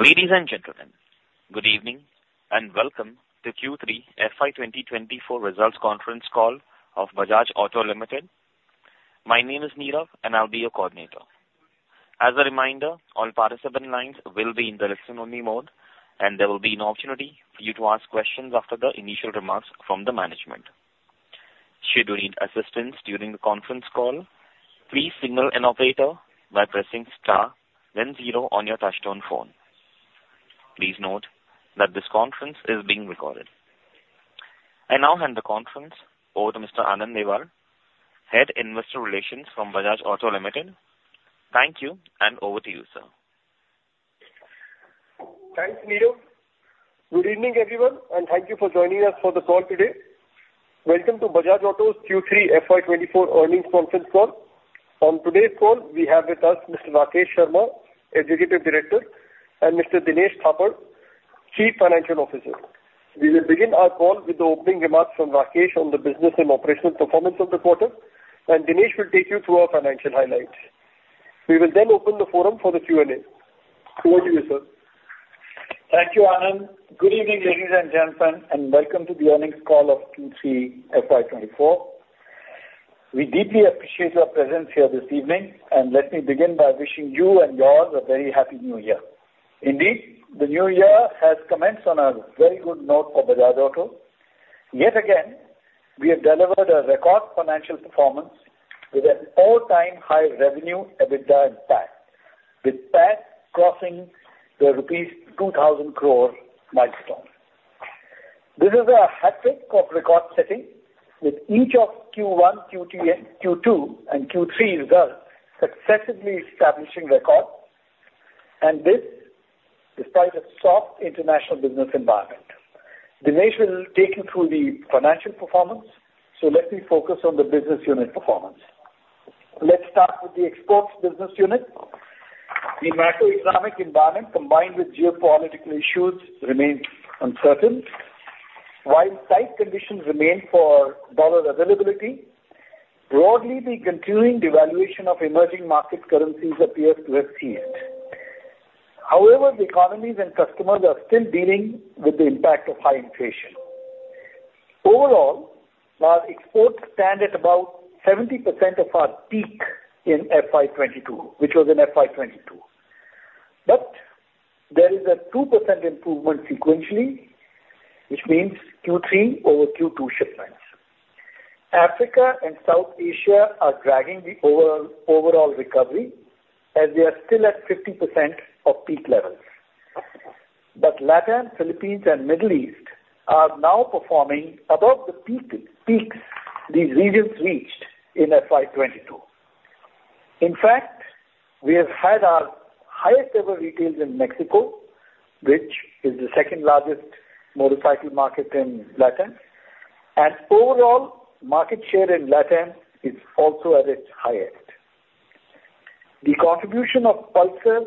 Ladies and gentlemen, good evening, and welcome to Q3 FY 2024 results conference call of Bajaj Auto Limited. My name is Neera, and I'll be your coordinator. As a reminder, all participant lines will be in the listen-only mode, and there will be an opportunity for you to ask questions after the initial remarks from the management. Should you need assistance during the conference call, please signal an operator by pressing star, then zero on your touch-tone phone. Please note that this conference is being recorded. I now hand the conference over to Mr. Anand Newar, Head Investor Relations from Bajaj Auto Limited. Thank you, and over to you, sir. Thanks, Neera. Good evening, everyone, and thank you for joining us for the call today. Welcome to Bajaj Auto's Q3 FY 2024 earnings conference call. On today's call, we have with us Mr. Rakesh Sharma, Executive Director, and Mr. Dinesh Thapar, Chief Financial Officer. We will begin our call with the opening remarks from Rakesh on the business and operational performance of the quarter, and Dinesh will take you through our financial highlights. We will then open the forum for the Q&A. Over to you, sir. Thank you, Anand. Good evening, ladies and gentlemen, and welcome to the earnings call of Q3 FY 2024. We deeply appreciate your presence here this evening, and let me begin by wishing you and yours a very happy New Year. Indeed, the new year has commenced on a very good note for Bajaj Auto. Yet again, we have delivered a record financial performance with an all-time high revenue, EBITDA, and PAT, with PAT crossing the rupees 2,000 crore milestone. This is a hat trick of record setting, with each of Q1, Q2, and Q3 results successively establishing records, and this despite a soft international business environment. Dinesh will take you through the financial performance, so let me focus on the business unit performance. Let's start with the exports business unit. The macroeconomic environment, combined with geopolitical issues, remains uncertain. While tight conditions remain for dollar availability, broadly, the continuing devaluation of emerging market currencies appears to have ceased. However, the economies and customers are still dealing with the impact of high inflation. Overall, our exports stand at about 70% of our peak in FY 2022, which was in FY 2022. There is a 2% improvement sequentially, which means Q3 over Q2 shipments. Africa and South Asia are dragging the overall, overall recovery as they are still at 50% of peak levels. LatAm, Philippines, and Middle East are now performing above the peak, peaks these regions reached in FY 2022. In fact, we have had our highest ever retails in Mexico, which is the second-largest motorcycle market in LatAm, and overall, market share in LatAm is also at its highest. The contribution of Pulsar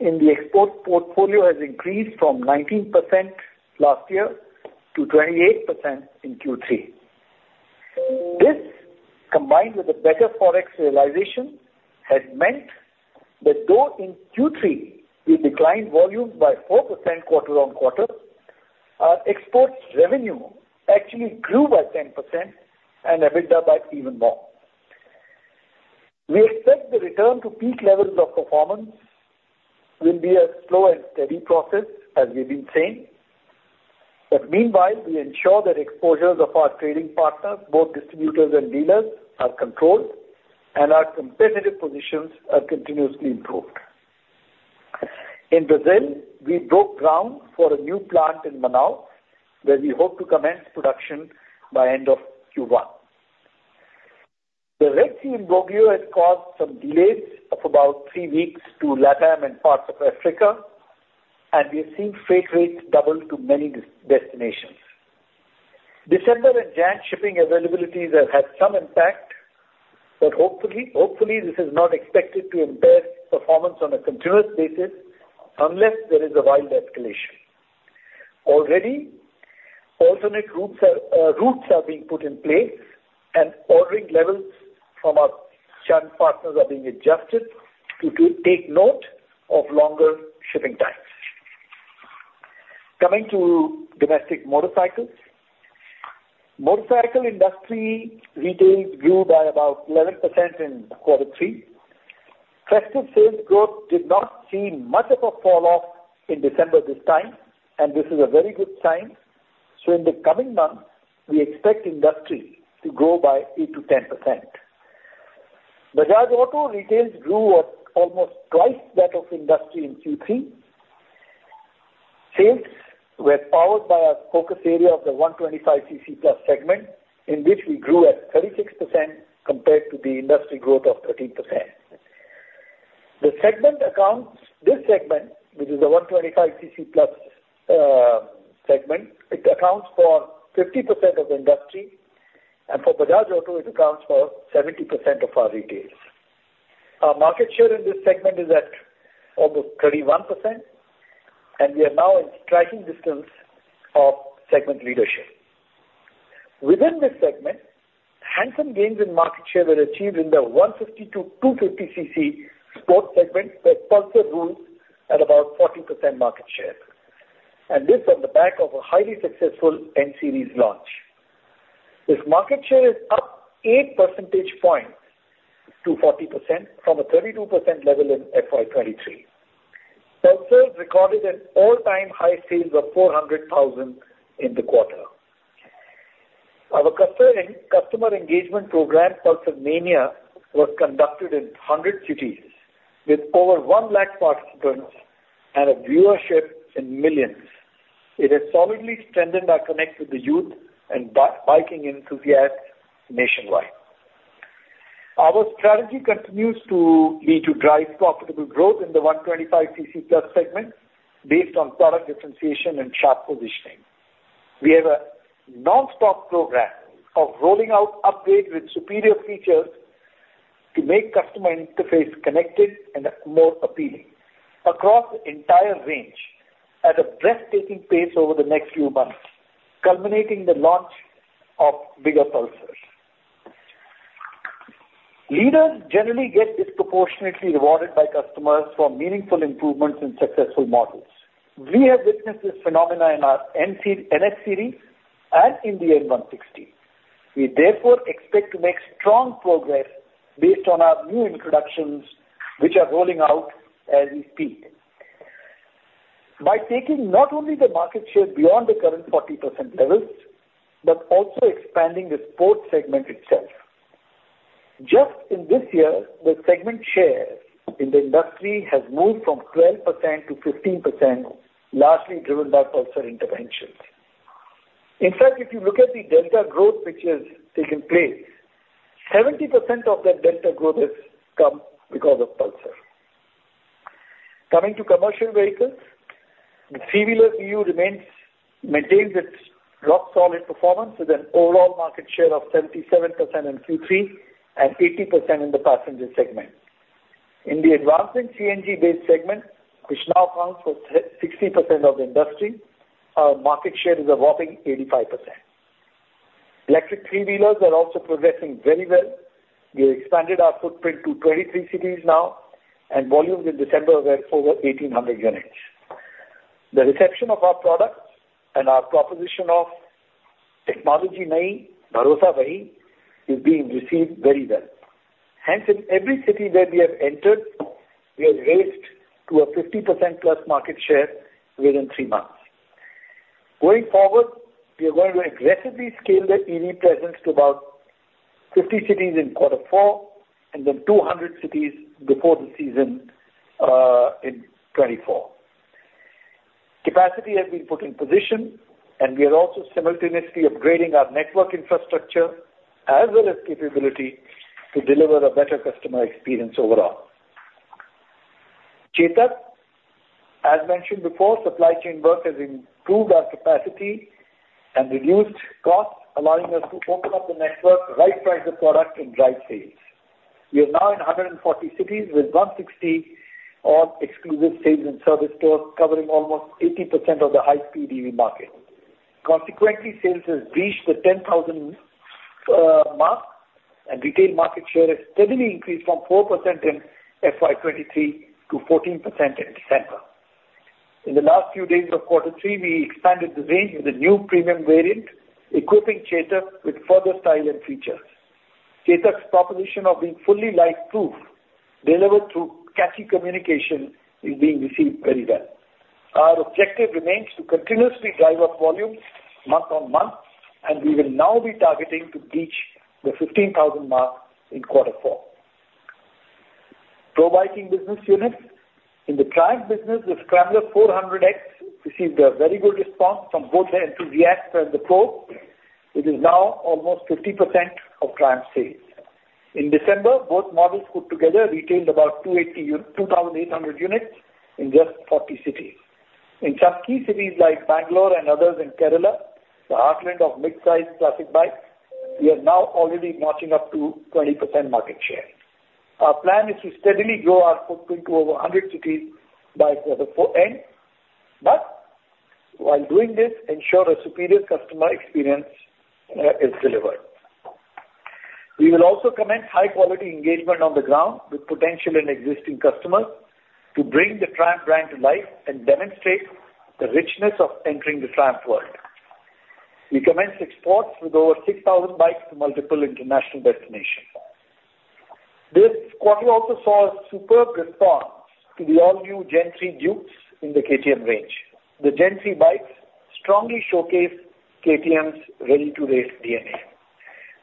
in the export portfolio has increased from 19% last year to 28% in Q3. This, combined with a better Forex realization, has meant that though in Q3, we declined volume by 4% quarter-on-quarter, our exports revenue actually grew by 10% and EBITDA by even more. We expect the return to peak levels of performance will be a slow and steady process, as we've been saying. Meanwhile, we ensure that exposures of our trading partners, both distributors and dealers, are controlled and our competitive positions are continuously improved. In Brazil, we broke ground for a new plant in Manaus, where we hope to commence production by end of Q1. The Red Sea imbroglio has caused some delays of about three weeks to LatAm and parts of Africa, and we have seen freight rates double to many destinations. December and Jan shipping availabilities have had some impact, but hopefully, hopefully, this is not expected to impair performance on a continuous basis unless there is a wild escalation. Already, alternate routes are routes are being put in place, and ordering levels from our channel partners are being adjusted to take note of longer shipping times. Coming to domestic motorcycles. Motorcycle industry retails grew by about 11% in quarter three. Festive sales growth did not see much of a falloff in December this time, and this is a very good sign. So in the coming months, we expect industry to grow by 8%-10%. Bajaj Auto retails grew at almost twice that of industry in Q3. Sales were powered by our focus area of the 125 cc plus segment, in which we grew at 36% compared to the industry growth of 13%. The segment accounts, this segment, which is the 125 cc plus segment, it accounts for 50% of the industry, and for Bajaj Auto, it accounts for 70% of our retails. Our market share in this segment is at almost 31%, and we are now in striking distance of segment leadership. Within this segment, handsome gains in market share were achieved in the 150-250cc sports segment, where Pulsar rules at about 40% market share, and this on the back of a highly successful N-Series launch. This market share is up 8 percentage points to 40% from a 32% level in FY 2023. Pulsar recorded an all-time high sales of 400,000 in the quarter. Our customer engagement program, Pulsar Mania, was conducted in 100 cities, with over 100,000 participants and a viewership in millions. It has solidly strengthened our connect with the youth and biking enthusiasts nationwide. Our strategy continues to be to drive profitable growth in the 125 cc plus segment based on product differentiation and sharp positioning. We have a nonstop program of rolling out updates with superior features to make customer interface connected and more appealing across the entire range at a breathtaking pace over the next few months, culminating the launch of bigger Pulsars. Leaders generally get disproportionately rewarded by customers for meaningful improvements in successful models. We have witnessed this phenomena in our NS series and in the N160. We therefore expect to make strong progress based on our new introductions, which are rolling out as we speak. By taking not only the market share beyond the current 40% levels, but also expanding the sports segment itself. Just in this year, the segment share in the industry has moved from 12%-15%, largely driven by Pulsar interventions. In fact, if you look at the delta growth which has taken place, 70% of that delta growth has come because of Pulsar. Coming to commercial vehicles, the three-wheeler BU maintains its rock solid performance with an overall market share of 77% in Q3 and 80% in the passenger segment. In the advancing CNG based segment, which now accounts for 60% of the industry, our market share is a whopping 85%. Electric three-wheelers are also progressing very well. We expanded our footprint to 23 cities now, and volumes in December were over 1,800 units. The reception of our products and our proposition of technology... is being received very well. Hence, in every city that we have entered, we have raised to a 50%+ market share within three months. Going forward, we are going to aggressively scale the EV presence to about 50 cities in quarter four and then 200 cities before the season in 2024. Capacity has been put in position, and we are also simultaneously upgrading our network infrastructure as well as capability to deliver a better customer experience overall. Chetak, as mentioned before, supply chain work has improved our capacity and reduced costs, allowing us to open up the network, right-price the product and drive sales. We are now in 140 cities, with 160-odd exclusive sales and service stores, covering almost 80% of the high-speed EV market. Consequently, sales has breached the 10,000 mark, and retail market share has steadily increased from 4% in FY 2023 to 14% in December. In the last few days of quarter three, we expanded the range with a new premium variant, equipping Chetak with further style and features. Chetak's proposition of being Fully Lifeproof, delivered through catchy communication, is being received very well. Our objective remains to continuously drive up volumes month-on-month, and we will now be targeting to reach the 15,000 mark in quarter four. Probiking business units. In the Triumph business, the Scrambler 400X received a very good response from both the enthusiasts and the pros, which is now almost 50% of Triumph sales. In December, both models put together retailed about 2,800 units in just 40 cities. In some key cities like Bangalore and others in Kerala, the heartland of mid-size classic bikes, we are now already notching up to 20% market share. Our plan is to steadily grow our footprint to over 100 cities by quarter four end, but while doing this, ensure a superior customer experience is delivered. We will also commence high quality engagement on the ground with potential and existing customers to bring the Triumph brand to life and demonstrate the richness of entering the Triumph world. We commenced exports with over 6,000 bikes to multiple international destinations. This quarter also saw a superb response to the all-new Gen 3 Dukes in the KTM range. The Gen 3 bikes strongly showcase KTM's READY TO RACE DNA.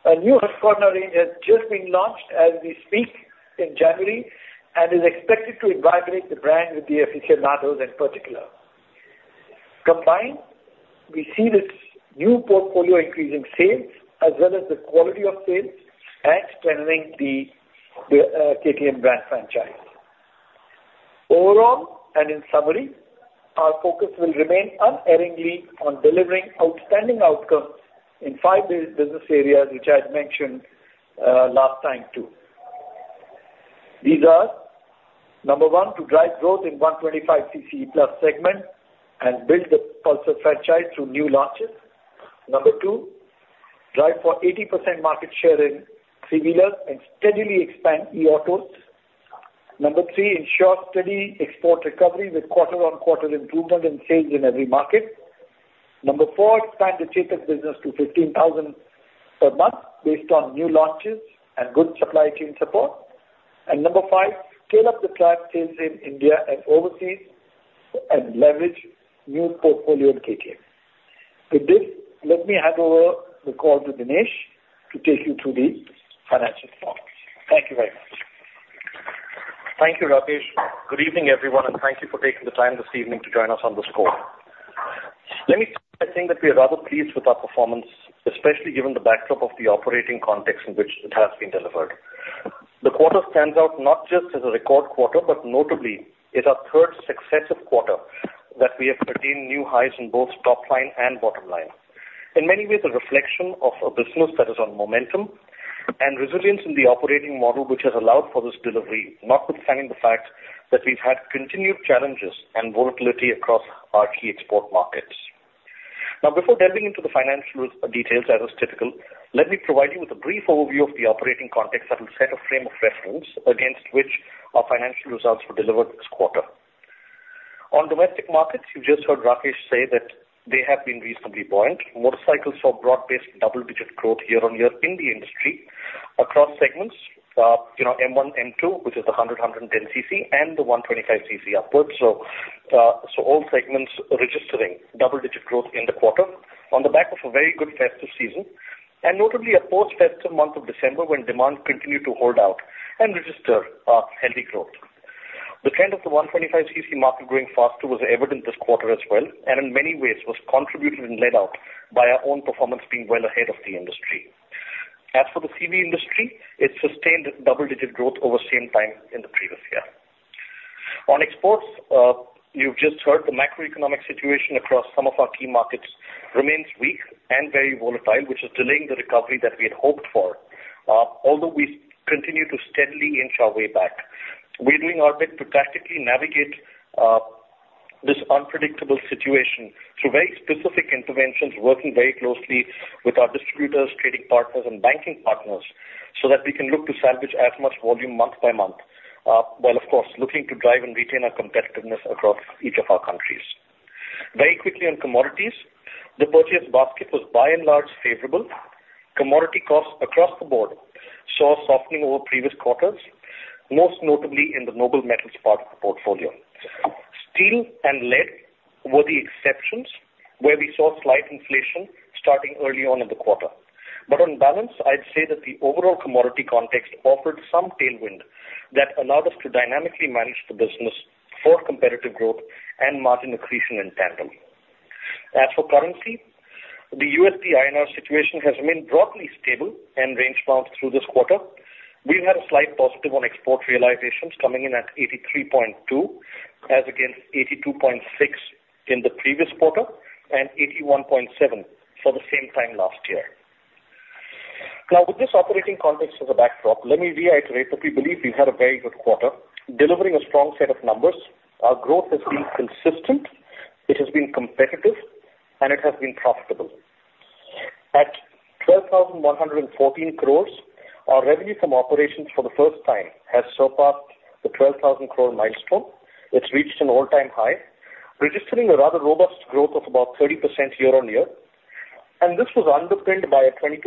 A new Husqvarna range has just been launched as we speak in January and is expected to invigorate the brand with the aficionados in particular. Combined, we see this new portfolio increasing sales as well as the quality of sales and strengthening the KTM brand franchise. Overall, and in summary, our focus will remain unerringly on delivering outstanding outcomes in five business areas, which I had mentioned last time, too. These are, number one, to drive growth in 125 cc-plus segment and build the Pulsar franchise through new launches. Number two, drive for 80% market share in three-wheelers and steadily expand e-autos. Number three, ensure steady export recovery with quarter-on-quarter improvement and change in every market. Number four, expand the Chetak business to 15,000 per month based on new launches and good supply chain support. And number five, scale up the Triumph sales in India and overseas and leverage new portfolio of KTM. With this, let me hand over the call to Dinesh to take you through the financial performance. Thank you very much. Thank you, Rakesh. Good evening, everyone, and thank you for taking the time this evening to join us on this call. Let me say, I think that we are rather pleased with our performance, especially given the backdrop of the operating context in which it has been delivered. The quarter stands out not just as a record quarter, but notably is our third successive quarter that we have attained new highs in both top line and bottom line. In many ways, a reflection of a business that is on momentum and resilience in the operating model, which has allowed for this delivery, notwithstanding the fact that we've had continued challenges and volatility across our key export markets. Now, before delving into the financial details, as is typical, let me provide you with a brief overview of the operating context that will set a frame of reference against which our financial results were delivered this quarter. On domestic markets, you just heard Rakesh say that they have been reasonably buoyant. Motorcycles saw broad-based double-digit growth year-on-year in the industry across segments, you know, M1, M2, which is the 100, 110 cc and the 125 cc upwards. So, so all segments registering double-digit growth in the quarter on the back of a very good festive season and notably a post-festive month of December, when demand continued to hold out and register, healthy growth. The trend of the 125 cc market growing faster was evident this quarter as well, and in many ways was contributed and led out by our own performance being well ahead of the industry. As for the CV industry, it sustained double-digit growth over the same time in the previous year. On exports, you've just heard the macroeconomic situation across some of our key markets remains weak and very volatile, which is delaying the recovery that we had hoped for, although we continue to steadily inch our way back. We're doing our bit to tactically navigate this unpredictable situation through very specific interventions, working very closely with our distributors, trading partners and banking partners, so that we can look to salvage as much volume month by month, while, of course, looking to drive and retain our competitiveness across each of our countries. Very quickly on commodities, the purchase basket was by and large, favorable. Commodity costs across the board saw a softening over previous quarters, most notably in the noble metals part of the portfolio. Steel and lead were the exceptions, where we saw slight inflation starting early on in the quarter. But on balance, I'd say that the overall commodity context offered some tailwind that allowed us to dynamically manage the business for competitive growth and margin accretion in tandem. As for currency, the USD INR situation has remained broadly stable and range bound through this quarter. We had a slight positive on export realizations coming in at 83.2, as against 82.6 in the previous quarter and 81.7 for the same time last year. Now, with this operating context as a backdrop, let me reiterate that we believe we had a very good quarter, delivering a strong set of numbers. Our growth has been consistent, it has been competitive, and it has been profitable. At 12,114 crore, our revenue from operations for the first time has surpassed the 12,000 crore milestone, which reached an all-time high, registering a rather robust growth of about 30% year-on-year. This was underpinned by a 22%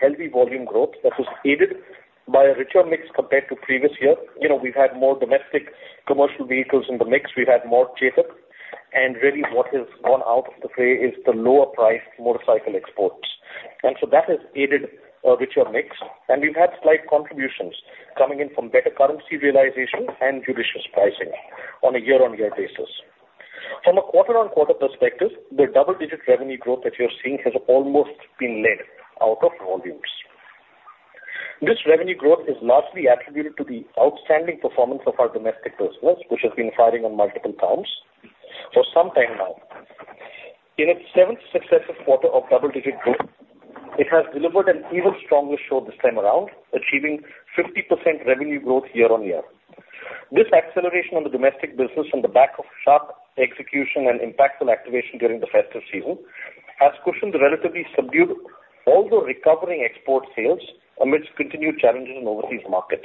healthy volume growth that was aided by a richer mix compared to previous year. You know, we've had more domestic commercial vehicles in the mix. We've had more Chetak, and really, what has gone out of the way is the lower priced motorcycle exports. And so that has aided a richer mix, and we've had slight contributions coming in from better currency realization and judicious pricing on a year-on-year basis. From a quarter-on-quarter perspective, the double-digit revenue growth that you're seeing has almost been led out of volumes. This revenue growth is largely attributed to the outstanding performance of our domestic business, which has been firing on multiple counts for some time now. In its seventh successive quarter of double-digit growth, it has delivered an even stronger show this time around, achieving 50% revenue growth year-on-year. This acceleration on the domestic business on the back of sharp execution and impactful activation during the festive season, has cushioned the relatively subdued, although recovering export sales amidst continued challenges in overseas markets.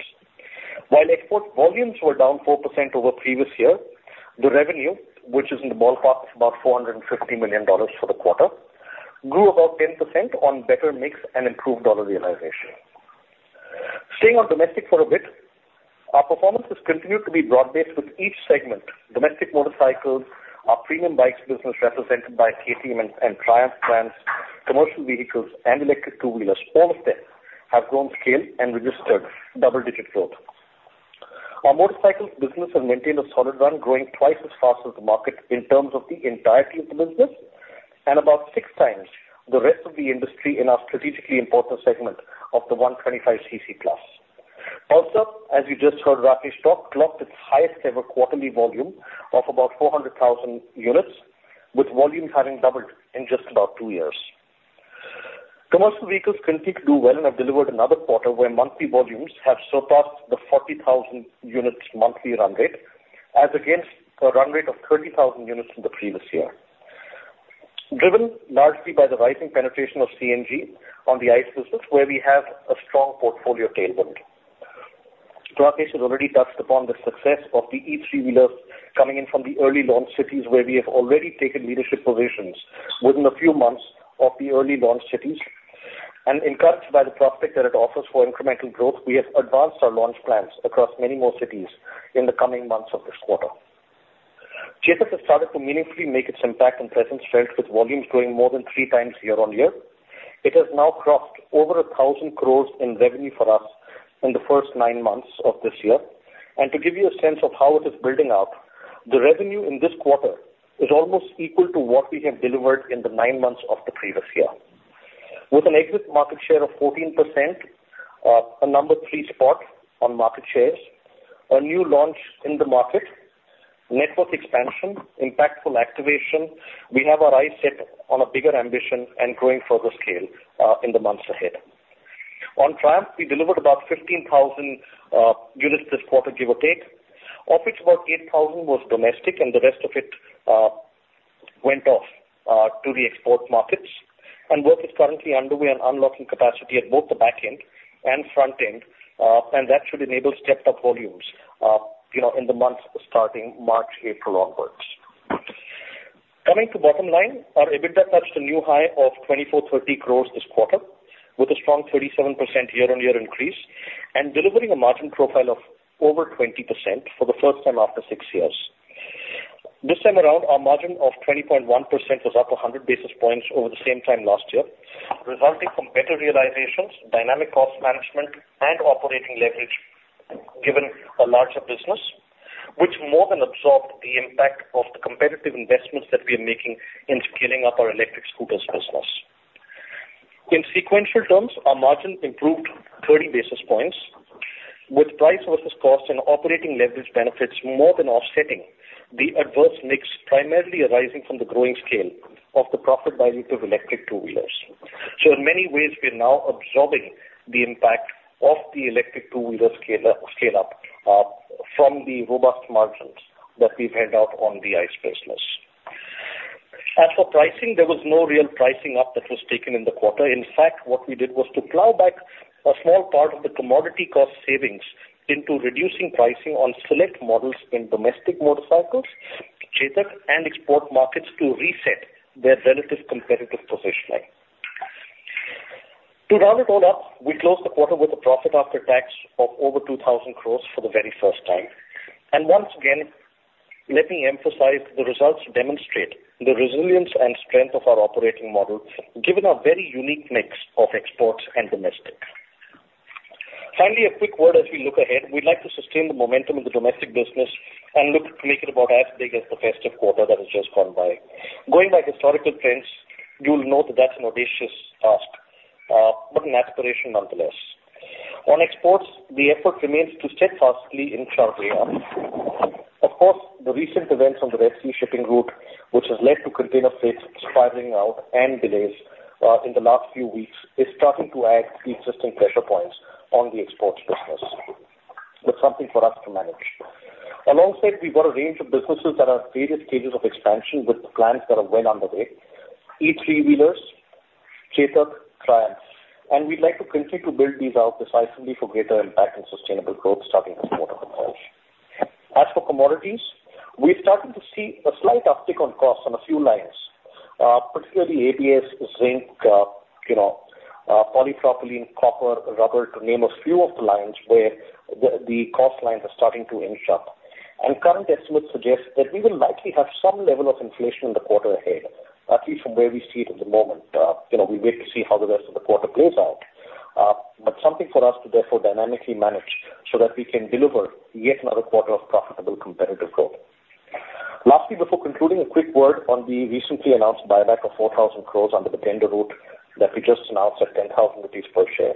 While export volumes were down 4% over previous year, the revenue, which is in the ballpark of about $450 million for the quarter, grew about 10% on better mix and improved dollar realization. Staying on domestic for a bit, our performance has continued to be broad-based with each segment, domestic motorcycles, our premium bikes business represented by KTM and, and Triumph brands, commercial vehicles and electric two-wheelers. All of them have grown scale and registered double-digit growth. Our motorcycles business has maintained a solid run, growing twice as fast as the market in terms of the entirety of the business, and about six times the rest of the industry in our strategically important segment of the 125 cc plus. Pulsar, as you just heard, Rakesh talk, clocked its highest ever quarterly volume of about 400,000 units, with volumes having doubled in just about two years. Commercial vehicles continue to do well and have delivered another quarter where monthly volumes have surpassed the 40,000 units monthly run rate, as against a run rate of 30,000 units in the previous year. Driven largely by the rising penetration of CNG on the ICE business, where we have a strong portfolio tailwind. Prakash has already touched upon the success of the E three-wheeler coming in from the early launch cities, where we have already taken leadership positions within a few months of the early launch cities. And encouraged by the prospect that it offers for incremental growth, we have advanced our launch plans across many more cities in the coming months of this quarter. Chetak has started to meaningfully make its impact and presence felt, with volumes growing more than 3x year-on-year. It has now crossed over 1,000 crore in revenue for us in the first nine months of this year. To give you a sense of how it is building up, the revenue in this quarter is almost equal to what we have delivered in the nine months of the previous year. With an exit market share of 14%, a number three spot on market shares, a new launch in the market, network expansion, impactful activation, we have our eyes set on a bigger ambition and growing further scale, in the months ahead. On Triumph, we delivered about 15,000 units this quarter, give or take, of which about 8,000 was domestic and the rest of it went off to the export markets. Work is currently underway on unlocking capacity at both the back end and front end, and that should enable stepped up volumes, you know, in the months starting March, April onwards. Coming to bottom line, our EBITDA touched a new high of 2,430 crore this quarter, with a strong 37% year-on-year increase, and delivering a margin profile of over 20% for the first time after six years. This time around, our margin of 20.1% was up 100 basis points over the same time last year, resulting from better realizations, dynamic cost management and operating leverage, given a larger business, which more than absorbed the impact of the competitive investments that we are making in scaling up our electric scooters business. In sequential terms, our margin improved 30 basis points, with price versus cost and operating leverage benefits more than offsetting the adverse mix, primarily arising from the growing scale of the profit by way of electric two-wheelers. So in many ways, we are now absorbing the impact of the electric two-wheeler scale up from the robust margins that we've had out on the ICE business. As for pricing, there was no real pricing up that was taken in the quarter. In fact, what we did was to plow back a small part of the commodity cost savings into reducing pricing on select models in domestic motorcycles, Chetak and export markets to reset their relative competitive positioning. To round it all up, we closed the quarter with a profit after tax of over 2,000 crore for the very first time. Once again, let me emphasize, the results demonstrate the resilience and strength of our operating model, given our very unique mix of exports and domestic. Finally, a quick word as we look ahead. We'd like to sustain the momentum in the domestic business and look to make it about as big as the festive quarter that has just gone by. Going by historical trends, you will know that that's an audacious ask, but an aspiration nonetheless. On exports, the effort remains to steadfastly inch our way up. Of course, the recent events on the Red Sea shipping route, which has led to container rates spiraling out and delays in the last few weeks, is starting to add to existing pressure points on the exports business. That's something for us to manage. Alongside, we've got a range of businesses that are at various stages of expansion, with plans that are well underway: E three-wheelers, Chetak, Triumph. And we'd like to continue to build these out decisively for greater impact and sustainable growth starting this quarter onwards. As for commodities, we're starting to see a slight uptick on costs on a few lines, particularly ABS, zinc, you know, polypropylene, copper, rubber, to name a few of the lines where the cost lines are starting to inch up. Current estimates suggest that we will likely have some level of inflation in the quarter ahead, at least from where we see it at the moment. You know, we wait to see how the rest of the quarter plays out, but something for us to therefore dynamically manage so that we can deliver yet another quarter of profitable competitive growth. Lastly, before concluding, a quick word on the recently announced buyback of 4,000 crore under the tender route that we just announced at 10,000 rupees per share.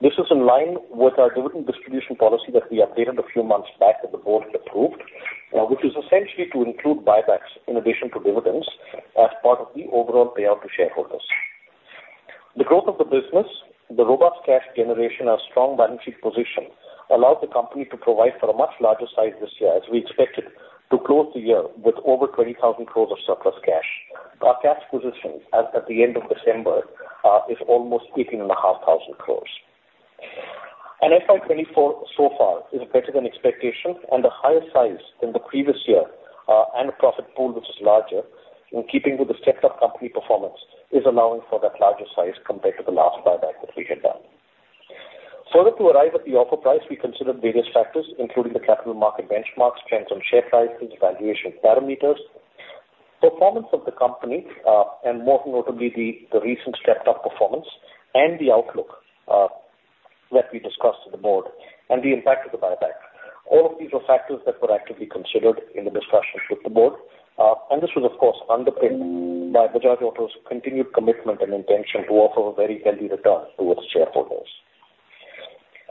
This is in line with our dividend distribution policy that we updated a few months back, that the board approved, which is essentially to include buybacks in addition to dividends, as part of the overall payout to shareholders. The growth of the business, the robust cash generation, our strong balance sheet position, allows the company to provide for a much larger size this year, as we expected to close the year with over 20,000 crore of surplus cash. Our cash position as at the end of December is almost 18,500 crore. FY 2024 so far is better than expectations and a higher size than the previous year, and a profit pool, which is larger, in keeping with the stepped up company performance, is allowing for that larger size compared to the last buyback that we had done. Further, to arrive at the offer price, we considered various factors, including the capital market benchmarks, trends on share prices, valuation parameters, performance of the company, and more notably, the recent stepped up performance and the outlook that we discussed with the board and the impact of the buyback. All of these were factors that were actively considered in the discussions with the board. And this was, of course, underpinned by Bajaj Auto's continued commitment and intention to offer a very healthy return to its shareholders.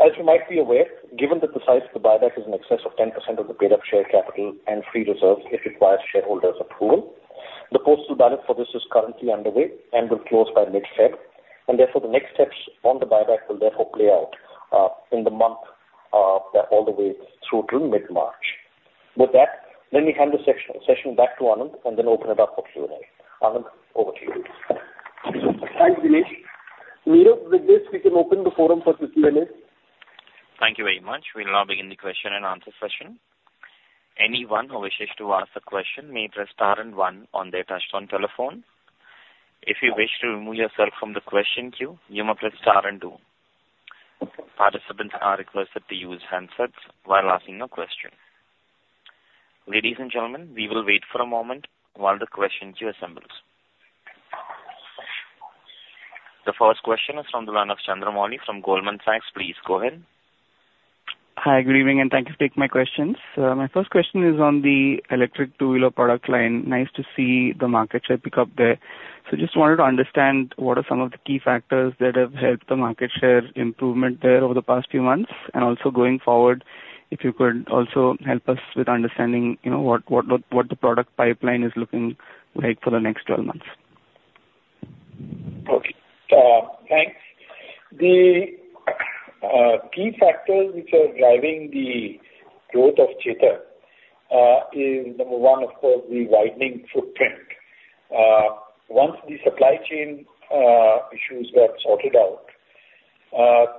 As you might be aware, given precisely, the buyback is in excess of 10% of the paid-up share capital and free reserves, it requires shareholders' approval. The postal ballot for this is currently underway and will close by mid-February, and therefore, the next steps on the buyback will therefore play out in the month, all the way through to mid-March. With that, let me hand the session back to Anand, and then open it up for Q&A. Anand, over to you. Thanks, Dinesh. With this, we can open the forum for the Q&A. Thank you very much. We'll now begin the question and answer session. Anyone who wishes to ask a question may press star and one on their touchtone telephone. If you wish to remove yourself from the question queue, you may press star and two. Participants are requested to use handsets while asking a question. Ladies and gentlemen, we will wait for a moment while the question queue assembles. The first question is from the line of Chandramouli from Goldman Sachs. Please go ahead. Hi, good evening, and thank you for taking my questions. My first question is on the electric two-wheeler product line. Nice to see the market share pick up there. So just wanted to understand, what are some of the key factors that have helped the market share improvement there over the past few months, and also going forward, if you could also help us with understanding, you know, what, what, what the product pipeline is looking like for the next 12 months? Okay, thanks. The key factors which are driving the growth of Chetak is number one, of course, the widening footprint. Once the supply chain issues were sorted out,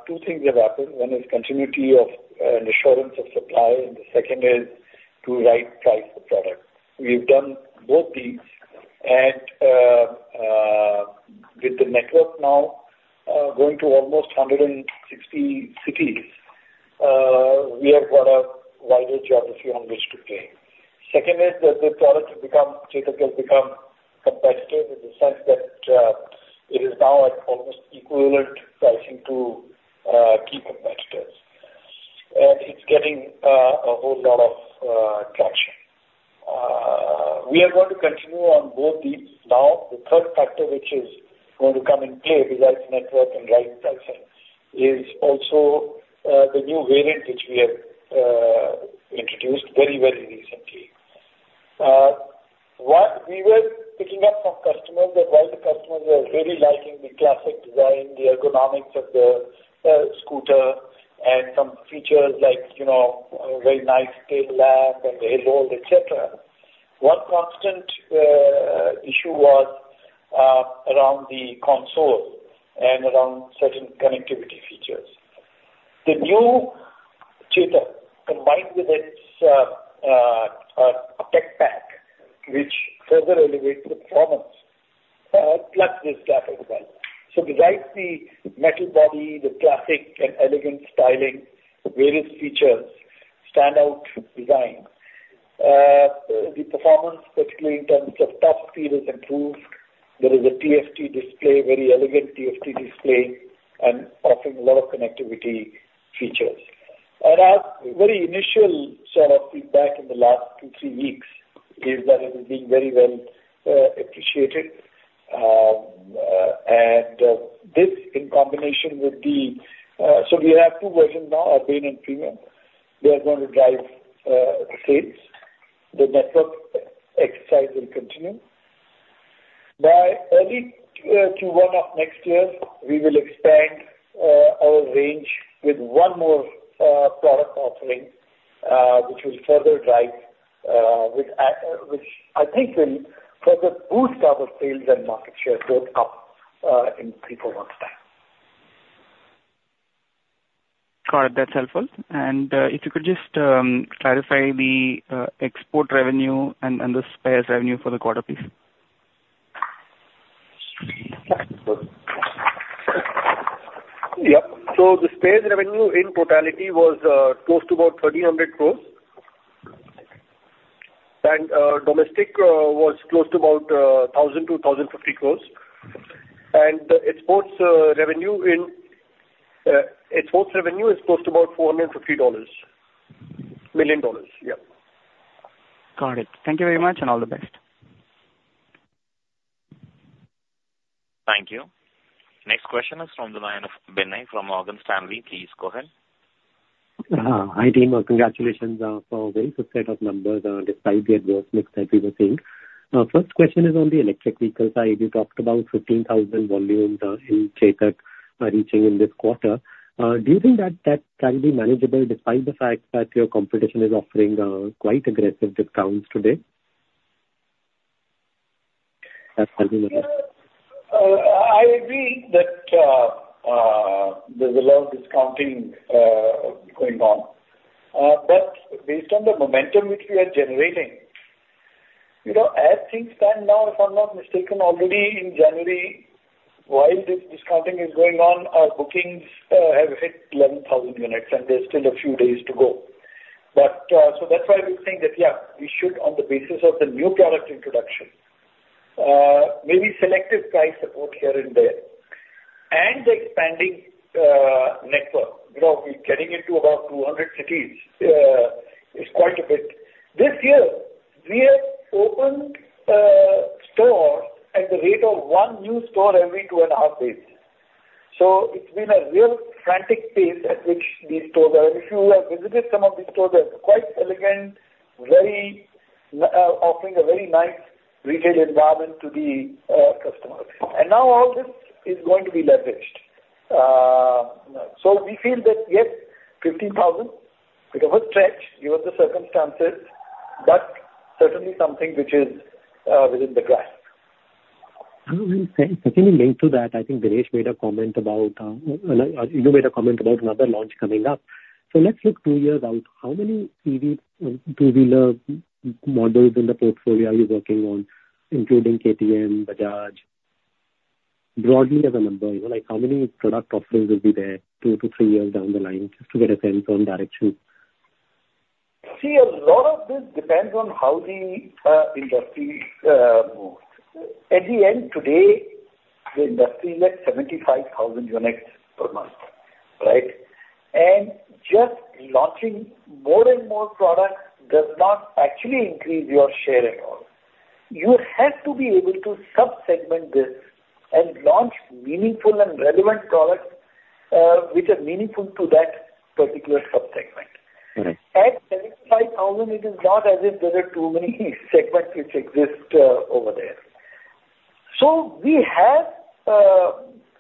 two things have happened. One is continuity of and assurance of supply, and the second is to right price the product. We've done both these and with the network now going to almost 160 cities, we have got a wider geography on which to play. Second is that the product has become, Chetak has become competitive in the sense that it is now at almost equivalent pricing to key competitors, and it's getting a whole lot of traction. We are going to continue on both these. Now, the third factor, which is going to come in play besides network and right pricing, is also the new variant, which we have introduced very, very recently. What we were picking up from customers that while the customers were really liking the classic design, the ergonomics of the scooter and some features like, you know, very nice tail lamp and the head light, et cetera. One constant issue was around the console and around certain connectivity features. The new Chetak, combined with its TecPac, which further elevates the performance, plus the classic design. So besides the metal body, the classic and elegant styling, the various features, standout design, the performance, particularly in terms of top speed, is improved. There is a TFT display, very elegant TFT display and offering a lot of connectivity features. Our very initial sort of feedback in the last two, three weeks is that it is being very well appreciated. And this in combination with the... So we have two versions now, Urbane and Premium. They are going to drive the sales. The network exercise will continue. By early Q1 of next year, we will expand our range with one more product offering, which will further drive, which I think will further boost our sales and market share both up in three, four months' time. Got it, that's helpful. And if you could just clarify the export revenue and the spares revenue for the quarter, please. Yeah. So the spares revenue in totality was close to about 1,300 crore. Domestic was close to about 1,000-1,050 crore. The exports revenue in exports revenue is close to about $450 million. Yeah. Got it. Thank you very much, and all the best. Thank you. Next question is from the line of Binay from Morgan Stanley. Please go ahead. Hi, team, congratulations for a very good set of numbers despite the adverse mix that we were seeing. First question is on the electric vehicle side. You talked about 15,000 volumes in Chetak reaching in this quarter. Do you think that that can be manageable despite the fact that your competition is offering quite aggressive discounts today? I agree that there's a lot of discounting going on. But based on the momentum which we are generating, you know, as things stand now, if I'm not mistaken, already in January, while this discounting is going on, our bookings have hit 11,000 units, and there's still a few days to go. But so that's why we think that, yeah, we should, on the basis of the new product introduction, maybe selective price support here and there and the expanding network. You know, we're getting into about 200 cities is quite a bit. This year, we have opened at the rate of one new store every 2.5 days. So it's been a real frantic pace at which these stores are. If you have visited some of these stores, they're quite elegant, very, offering a very nice retail environment to the, customers. Now all this is going to be leveraged. So we feel that, yes, 15,000, it's a good stretch given the circumstances, but certainly something which is, within the grasp. I will say, certainly linked to that, I think Rakesh made a comment about, you know, made a comment about another launch coming up. So let's look two years out. How many EV two-wheeler models in the portfolio are you working on, including KTM, Bajaj? Broadly as a number, you know, like, how many product offerings will be there two to three years down the line, just to get a sense on direction? See, a lot of this depends on how the industry moves. At the end, today, the industry is at 75,000 units per month, right? And just launching more and more products does not actually increase your share at all. You have to be able to sub-segment this and launch meaningful and relevant products, which are meaningful to that particular sub-segment. Mm-hmm. At 75,000, it is not as if there are too many segments which exist over there. So we have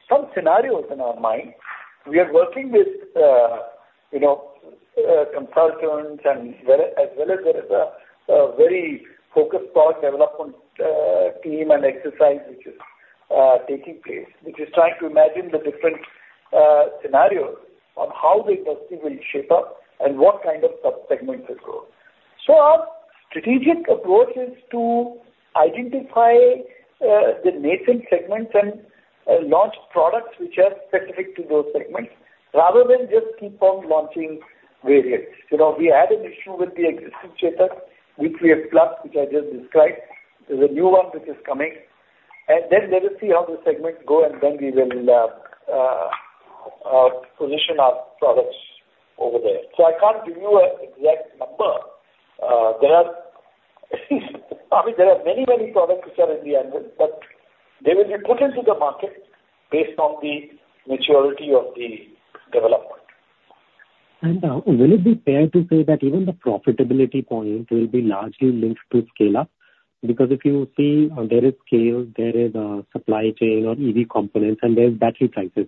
some scenarios in our mind. We are working with consultants and we as well as there is a very focused product development team and exercise which is taking place, which is trying to imagine the different scenarios on how the industry will shape up and what kind of sub-segments will grow. So our strategic approach is to identify the nascent segments and launch products which are specific to those segments, rather than just keep on launching variants. You know, we had an issue with the existing Chetak, which we have plus, which I just described. There's a new one which is coming, and then let us see how the segments go, and then we will position our products over there. So I can't give you an exact number. There are I mean, there are many, many products which are in the annual, but they will be put into the market based on the maturity of the development. Will it be fair to say that even the profitability point will be largely linked to scale up? Because if you see, there is scale, there is supply chain on EV components, and there's battery prices.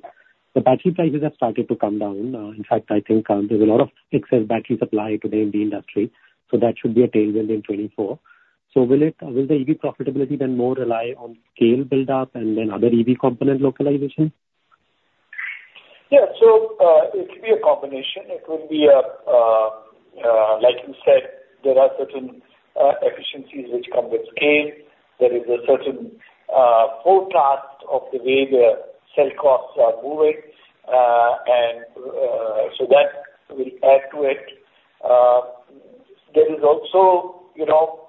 The battery prices have started to come down. In fact, I think, there's a lot of excess battery supply today in the industry, so that should be a tailwind in 2024. So will the EV profitability then more rely on scale build up and then other EV component localization? Yeah. So, it could be a combination. It could be a, like you said, there are certain efficiencies which come with scale. There is a certain forecast of the way the cell costs are moving, and so that will add to it. There is also, you know,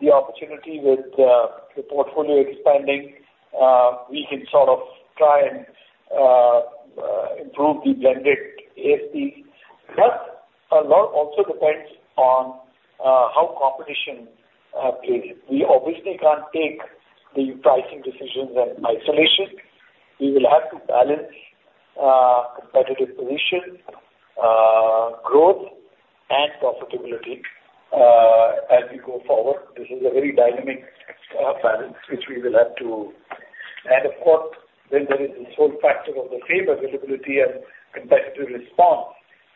the opportunity with the portfolio expanding, we can sort of try and improve the blended ASP. But a lot also depends on how competition plays. We obviously can't take the pricing decisions in isolation. We will have to balance competitive position, growth and profitability, as we go forward. This is a very dynamic balance which we will have to. Of course, then there is this whole factor of the same availability and competitive response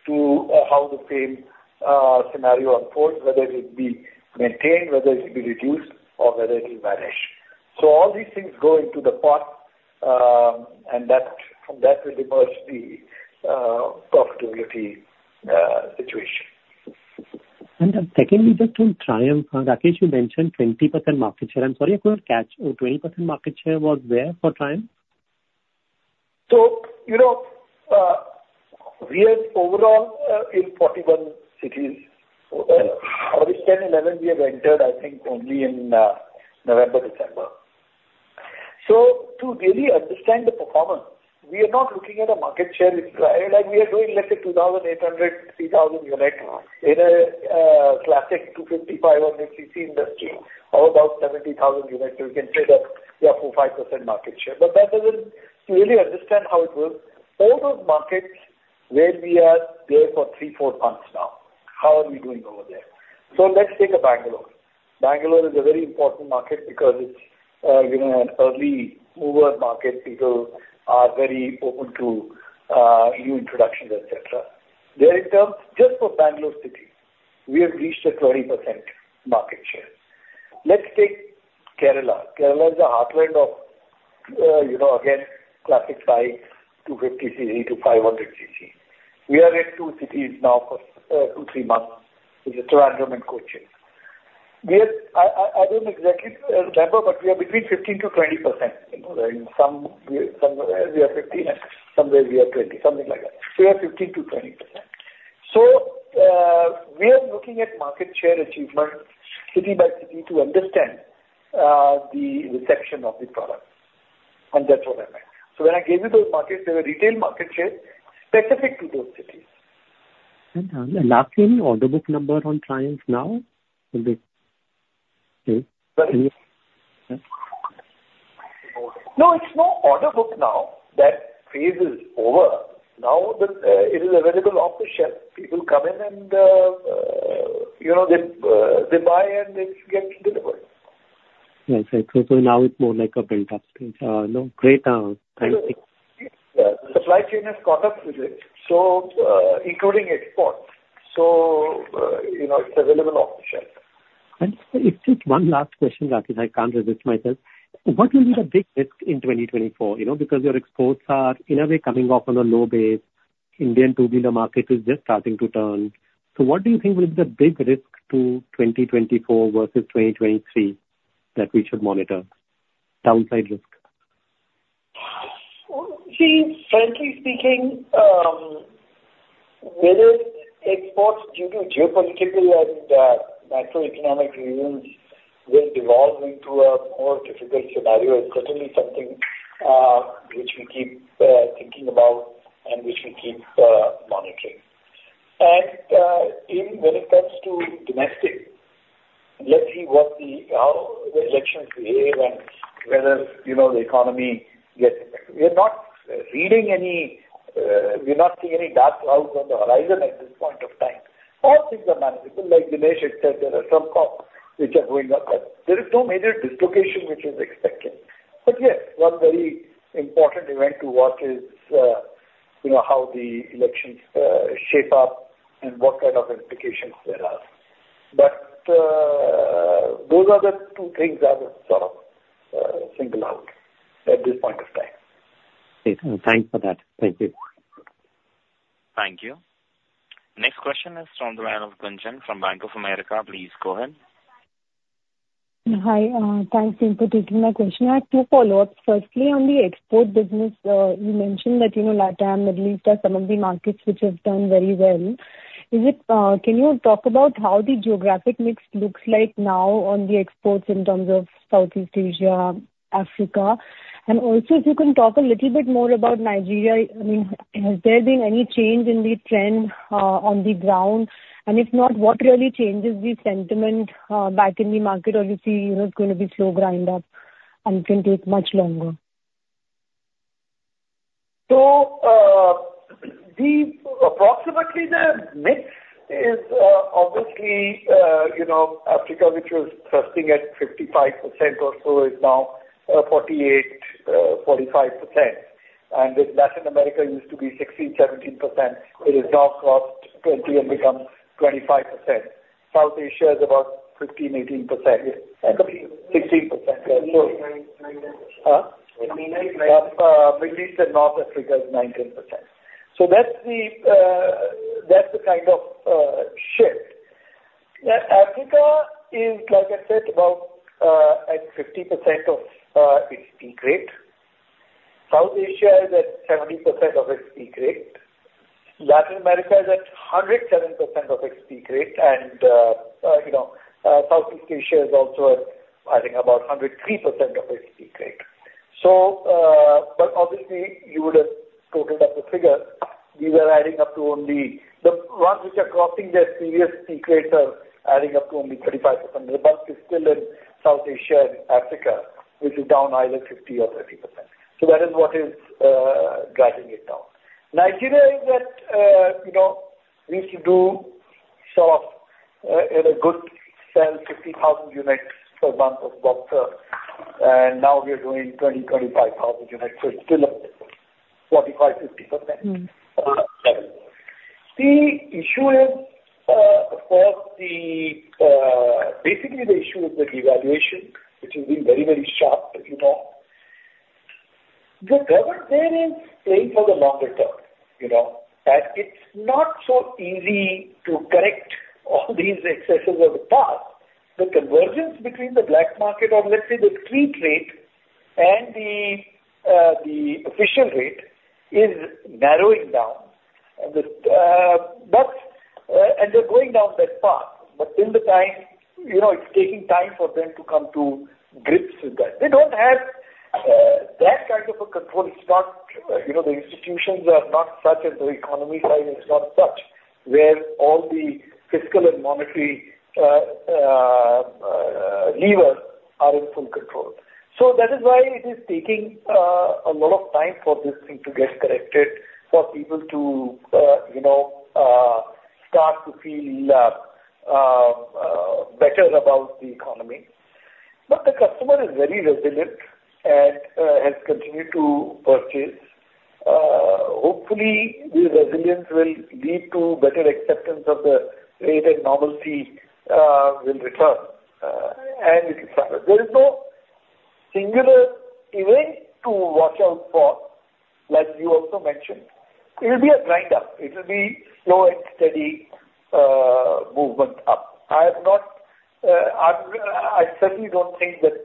to how the same scenario unfolds, whether it will be maintained, whether it will be reduced, or whether it will vanish. All these things go into the pot, and that from that will emerge the profitability situation. Secondly, just on Triumph, Rakesh, you mentioned 20% market share. I'm sorry, I could not catch. So 20% market share was where for Triumph? So, you know, we are overall in 41 cities, out of which 10, 11 we have entered, I think, only in November, December. So to really understand the performance, we are not looking at a market share in Triumph. Like, we are doing, let's say, 2,800, 3,000 units in a classic 250, 500 cc industry, or about 70,000 units. So we can say that we have 4%, 5% market share. But that doesn't really understand how it works. All those markets where we are there for three, four months now, how are we doing over there? So let's take a Bangalore. Bangalore is a very important market because it's, you know, an early mover market. People are very open to new introductions, etc. There it comes just for Bangalore city, we have reached a 20% market share. Let's take Kerala. Kerala is the heartland of, you know, again, classic bikes, 250 cc to 500 cc. We are in two cities now for two to three months, which is Trivandrum and Kochi. We are. I don't exactly remember, but we are between 15%-20%. You know, in some way, somewhere we are 15%, and somewhere we are 20%, something like that. We are 15%-20%. So, we are looking at market share achievement city by city to understand the reception of the product, and that's what I meant. So when I gave you those markets, they were retail market share specific to those cities.... Last year order book number on Triumph now will be? No, it's no order book now. That phase is over. Now, the, it is available off the shelf. People come in and, you know, they buy and they get delivered. Right. So, so now it's more like a built up thing. No, great, thank you. Yeah. Supply chain has caught up with it, so, including export. So, you know, it's available off the shelf. Just one last question, Rakesh, I can't resist myself. What will be the big risk in 2024? You know, because your exports are, in a way, coming off on a low base. Indian two-wheeler market is just starting to turn. So what do you think will be the big risk to 2024 versus 2023 that we should monitor? Downside risk. Well, see, frankly speaking, whether exports due to geopolitical and, macroeconomic reasons will devolve into a more difficult scenario is certainly something, which we keep, thinking about and which we keep, monitoring. And, when it comes to domestic, let's see what the, how the elections behave and whether, you know, the economy gets... We're not reading any, we're not seeing any dark clouds on the horizon at this point of time. All things are manageable. Like Dinesh had said, there are some costs which are going up, but there is no major dislocation which is expected. But yes, one very important event to watch is, you know, how the elections, shape up and what kind of implications there are. But, those are the two things I would sort of, single out at this point of time. Thanks for that. Thank you. Thank you. Next question is from the line of Gunjan from Bank of America. Please go ahead. Hi, thanks for taking my question. I have two follow-ups. Firstly, on the export business, you mentioned that, you know, LatAm, Middle East, are some of the markets which have done very well. Can you talk about how the geographic mix looks like now on the exports in terms of Southeast Asia, Africa? And also, if you can talk a little bit more about Nigeria, I mean, has there been any change in the trend on the ground? And if not, what really changes the sentiment back in the market or you see, you know, it's going to be slow grind up and can take much longer? So, the mix is, obviously, you know, Africa, which was trending at 55% or so, is now 48, 45%. And Latin America used to be 16%, 17%. It is now crossed 20% and become 25%. South Asia is about 15%, 18%. 16%. Middle East and North Africa is 19%. So that's the, that's the kind of shift. Africa is, like I said, about at 50% of its peak rate. South Asia is at 70% of its peak rate. Latin America is at 107% of its peak rate. And, you know, Southeast Asia is also at, I think, about 103% of its peak rate. So, but obviously, you would have totaled up the figure. These are adding up to only the ones which are crossing their previous peak rates are adding up to only 35%. The bulk is still in South Asia and Africa, which is down either 50% or 30%. So that is what is dragging it down. Nigeria is at, you know, we used to do sort of, in a good sell, 50,000 units per month of Boxer, and now we are doing 20,000-25,000 units. So it's still up 45%-50%. Mm. The issue is, of course, basically the issue is the devaluation, which has been very, very sharp as you know. The government there is playing for the longer term, you know, and it's not so easy to correct all these excesses of the past. The convergence between the black market or let's say, the street rate and the official rate is narrowing down. But, and they're going down that path, but in the time, you know, it's taking time for them to come to grips with that. They don't have that type of a control. It's not, you know, the institutions are not such and the economy size is not such, where all the fiscal and monetary levers are in full control. So that is why it is taking a lot of time for this thing to get corrected, for people to you know better about the economy. But the customer is very resilient and has continued to purchase. Hopefully, the resilience will lead to better acceptance of the rate and normalcy will return and it will start. There is no singular event to watch out for, like you also mentioned. It will be a grind up. It will be slow and steady movement up. I'm, I certainly don't think that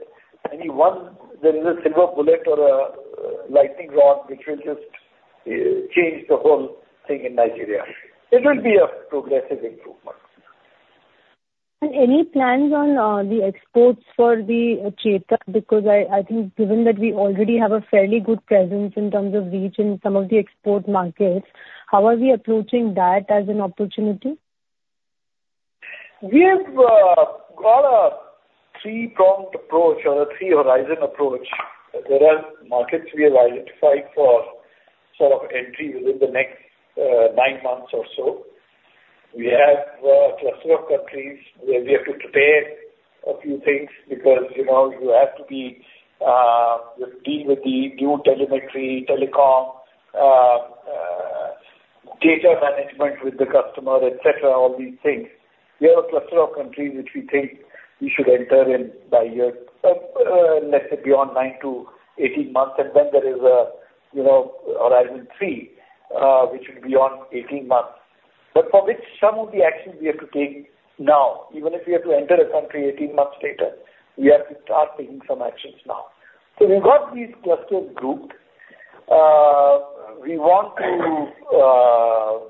any one, there is a silver bullet or a lightning rod, which will just change the whole thing in Nigeria. It will be a progressive improvement. And any plans on the exports for the Chetak? Because I think given that we already have a fairly good presence in terms of reach in some of the export markets, how are we approaching that as an opportunity? We have got a three-pronged approach or a three-horizon approach. There are markets we have identified for sort of entry within the next nine months or so. We have a cluster of countries where we have to prepare a few things because, you know, you have to be you deal with the new telemetry, telecom, data management with the customer, et cetera, all these things. We have a cluster of countries which we think we should enter in by year, let's say beyond nine to 18 months. And then there is a, you know, horizon three, which will be on 18 months, but for which some of the actions we have to take now. Even if we have to enter a country 18 months later, we have to start taking some actions now. So we've got these clusters grouped. We want to,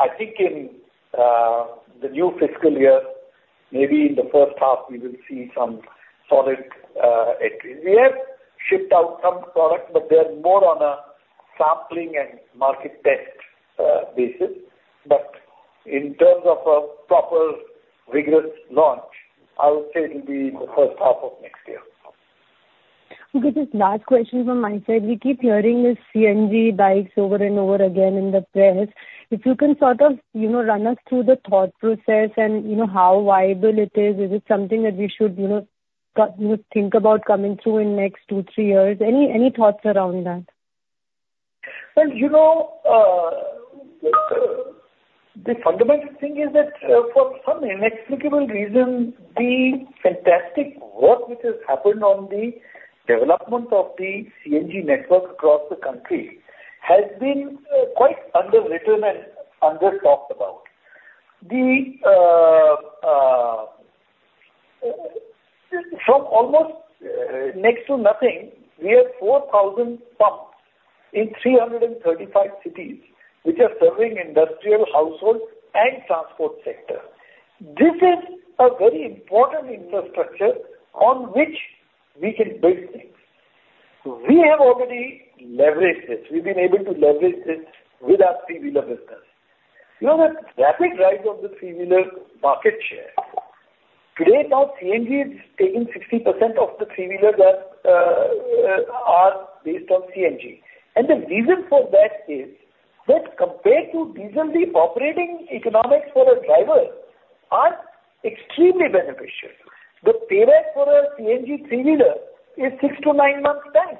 I think in the new fiscal year, maybe in the first half, we will see some solid entry. We have shipped out some products, but they're more on a sampling and market test basis. But in terms of a proper rigorous launch, I would say it will be in the first half of next year. Okay. Just last question from my side. We keep hearing this CNG bikes over and over again in the press. If you can sort of, you know, run us through the thought process and you know, how viable it is. Is it something that we should, you know, think about coming through in next two, three years? Any, any thoughts around that? Well, you know, the fundamental thing is that, for some inexplicable reason, the fantastic work which has happened on the development of the CNG network across the country has been quite underwritten and under-talked about. From almost next to nothing, we have 4,000 pumps in 335 cities, which are serving industrial, household, and transport sector. This is a very important infrastructure on which we can build things. We have already leveraged this. We've been able to leverage this with our three-wheeler business. You know, the rapid rise of the three-wheeler market share, today now CNG is taking 60% of the three-wheeler that are based on CNG. And the reason for that is that compared to diesel, the operating economics for a driver are extremely beneficial. The payback for a CNG three-wheeler is six to nine months time.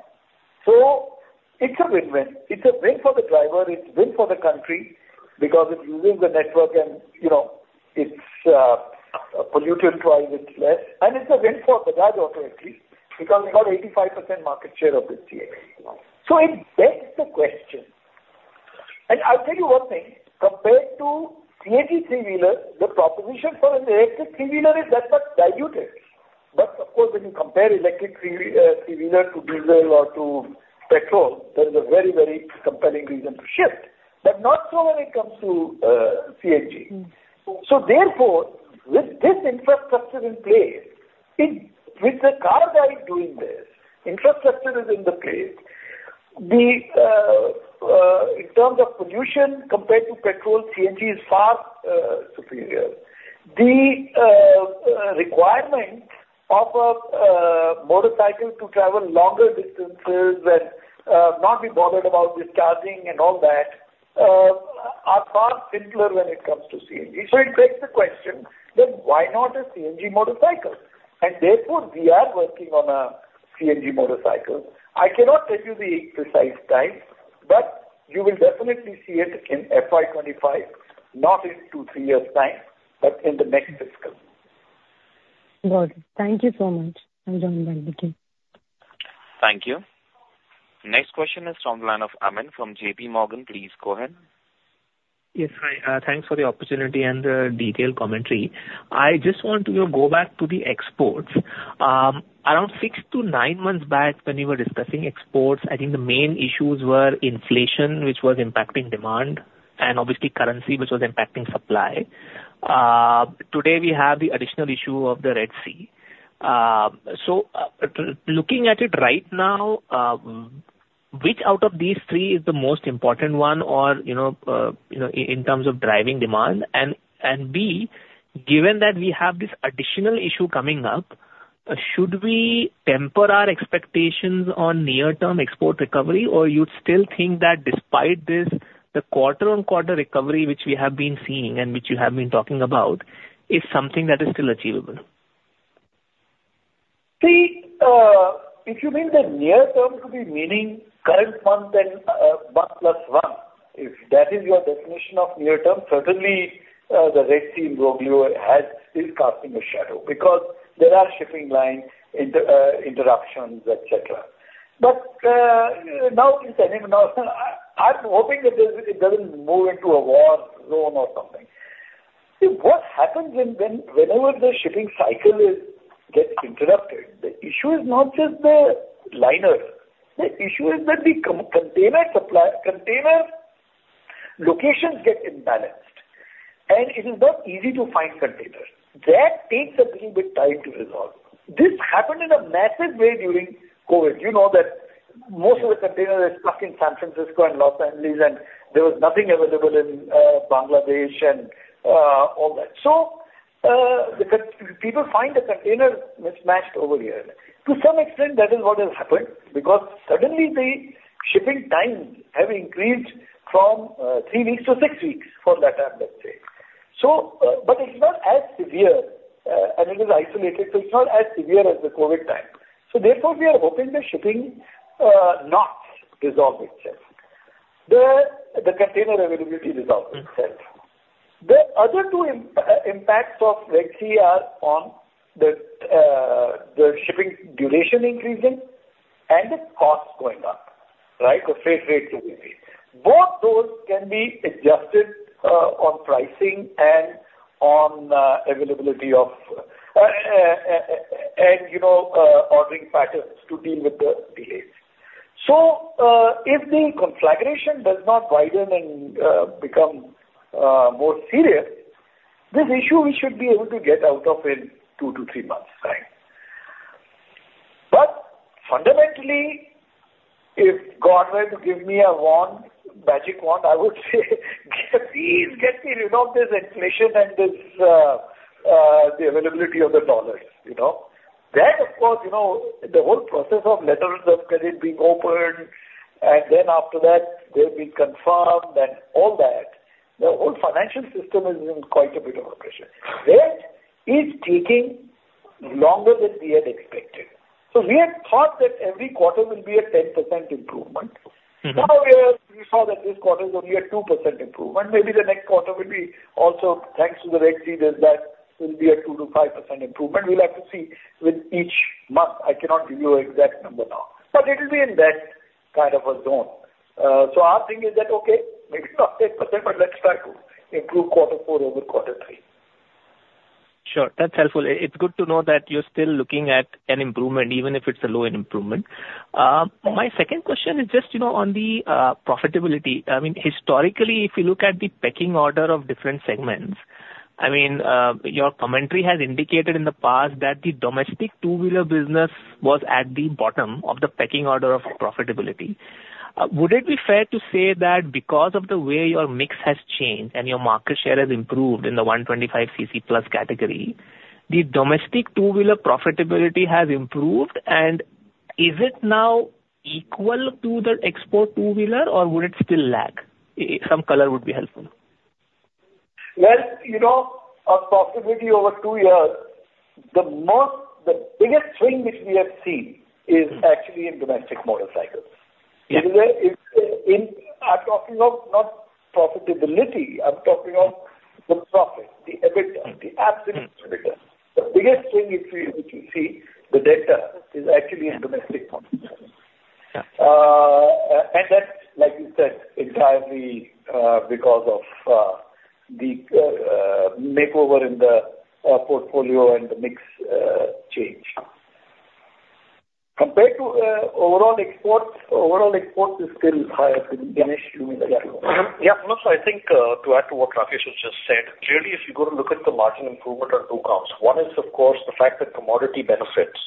So it's a win-win. It's a win for the driver, it's a win for the country, because it's using the network and, you know, its pollutant wise, it's less, and it's a win for Bajaj Auto, at least, because we've got 85% market share of this CNG. So it begs the question... And I'll tell you one thing, compared to CNG three-wheeler, the proposition for an electric three-wheeler is that much diluted. But of course, when you compare electric three-wheeler to diesel or to petrol, there is a very, very compelling reason to shift, but not so when it comes to CNG. Mm. So therefore, with this infrastructure in place, with the car guy doing this, infrastructure is in the place. The, in terms of pollution compared to petrol, CNG is far superior. The, requirement of a motorcycle to travel longer distances and not be bothered about this charging and all that, are far simpler when it comes to CNG. So it begs the question, then, why not a CNG motorcycle? And therefore, we are working on a CNG motorcycle. I cannot tell you the precise time, but you will definitely see it in FY 2025, not in two, three years' time, but in the next fiscal. Got it. Thank you so much. I'm done, thank you. Thank you. Next question is from the line of Amyn from JPMorgan. Please go ahead. Yes, hi. Thanks for the opportunity and the detailed commentary. I just want to go back to the exports. Around six to nine months back when you were discussing exports, I think the main issues were inflation, which was impacting demand, and obviously currency, which was impacting supply. Today, we have the additional issue of the Red Sea. So, looking at it right now, which out of these three is the most important one or, you know, you know, in terms of driving demand? And B, given that we have this additional issue coming up, should we temper our expectations on near-term export recovery, or you still think that despite this, the quarter-on-quarter recovery, which we have been seeing and which you have been talking about, is something that is still achievable? See, if you mean the near term to be meaning current month and 1+1, if that is your definition of near term, certainly the Red Sea rodeo is casting a shadow because there are shipping lines interruptions, et cetera. But now, I'm hoping that it doesn't move into a war zone or something. What happens whenever the shipping cycle gets interrupted, the issue is not just the liners. The issue is that the container supply locations get imbalanced, and it is not easy to find containers. That takes a little bit time to resolve. This happened in a massive way during COVID. You know that most of the containers are stuck in San Francisco and Los Angeles, and there was nothing available in Bangladesh and all that. So, the containers people find mismatched over here. To some extent, that is what has happened, because suddenly the shipping time have increased from three weeks to six weeks for that time, let's say. So, but it's not as severe, and it is isolated, so it's not as severe as the COVID time. So therefore, we are hoping the shipping knots resolve itself. The container availability resolves itself. The other two impacts of Red Sea are on the shipping duration increasing and the costs going up, right? The freight rate going up. Both those can be adjusted on pricing and on availability of and, you know, ordering patterns to deal with the delays. So, if the conflagration does not widen and, become, more serious, this issue we should be able to get out of in two to three months' time. But fundamentally, if God were to give me a wand, magic wand, I would say, "Please get me rid of this inflation and this, the availability of the dollars." You know? That, of course, you know, the whole process of letters of credit being opened, and then after that, they've been confirmed and all that, the whole financial system is in quite a bit of a pressure. That is taking longer than we had expected. So we had thought that every quarter will be a 10% improvement. Mm-hmm. Now, we are, we saw that this quarter is only a 2% improvement. Maybe the next quarter will be also, thanks to the Red Sea, that will be a 2%-5% improvement. We'll have to see with each month. I cannot give you an exact number now, but it will be in that kind of a zone. So our thing is that, okay, maybe it's not 10%, but let's try to improve quarter four over quarter three. Sure. That's helpful. It's good to know that you're still looking at an improvement, even if it's a low end improvement. My second question is just, you know, on the profitability. I mean, historically, if you look at the pecking order of different segments, I mean, your commentary has indicated in the past that the domestic two-wheeler business was at the bottom of the pecking order of profitability. Would it be fair to say that because of the way your mix has changed and your market share has improved in the 125 cc plus category, the domestic two-wheeler profitability has improved? And is it now equal to the export two-wheeler, or would it still lag? Some color would be helpful. Well, you know, our profitability over two years, the most, the biggest swing which we have seen is actually in domestic motorcycles. Yeah. In a way, it's. I'm talking of not profitability. I'm talking of the profit, the EBITDA, the absolute EBITDA. Mm. The biggest swing, if you, if you see the data, is actually in domestic motorcycles. Yeah. That's, like you said, entirely because of the makeover in the portfolio and the mix change. Compared to overall exports, overall exports is still higher than the issue in the category. Yeah, no, so I think to add to what Rakesh has just said, really, if you go to look at the margin improvement on two counts, one is, of course, the fact that commodity benefits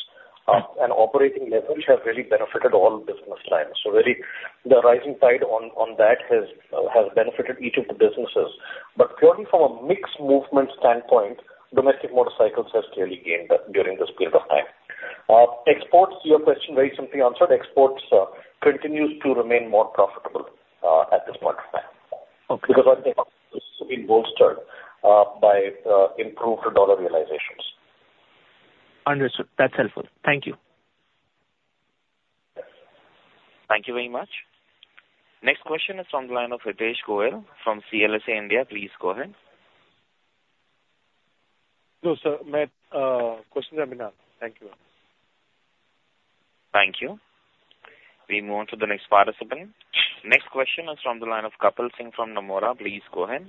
and operating leverage have really benefited all business lines. So really, the rising tide on that has benefited each of the businesses. But purely from a mix movement standpoint, domestic motorcycles has clearly gained during this period of time. Exports, your question very simply answered. Exports continues to remain more profitable at this point in time. Okay. Because it's been bolstered by improved dollar realizations. Understood. That's helpful. Thank you. Thank you very much. Next question is from the line of Hitesh Goel from CLSA India. Please go ahead. No, sir. My questions are been asked. Thank you. Thank you. We move on to the next participant. Next question is from the line of Kapil Singh from Nomura. Please go ahead.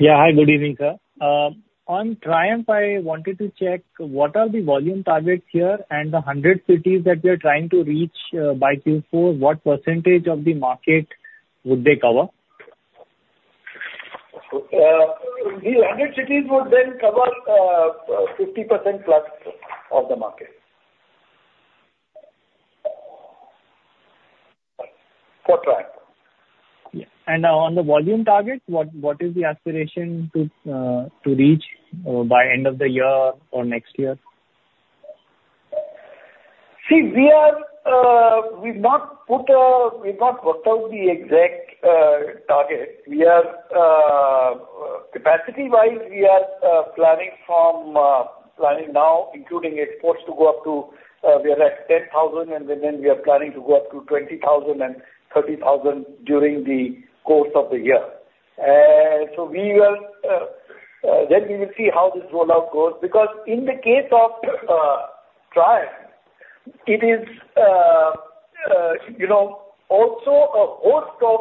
Yeah. Hi, good evening, sir. On Triumph, I wanted to check, what are the volume targets here and the 100 cities that we are trying to reach, by Q4, what percentage of the market would they cover? The 100 cities would then cover 50%+ of the market. For Triumph. Yeah. On the volume target, what is the aspiration to reach by end of the year or next year? See, we are, we've not put a—we've not worked out the exact target. We are, capacity-wise, we are, planning from, planning now, including exports, to go up to, we are at 10,000, and within we are planning to go up to 20,000 and 30,000 during the course of the year. And so we will, then we will see how this rollout goes. Because in the case of, Triumph, it is, you know, also a host of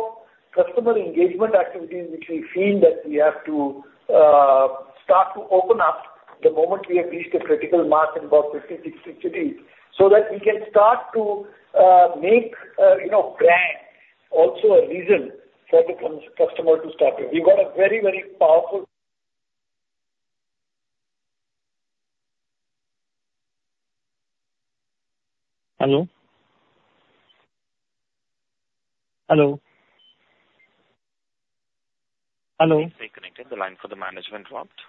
customer engagement activities, which we feel that we have to, start to open up. The moment we have reached a critical mass in about 50, 60 cities, so that we can start to, make, you know, brand also a reason for the customer to start with. We've got a very, very powerful- Hello? Hello. Hello. Please stay connected. The line for the management dropped.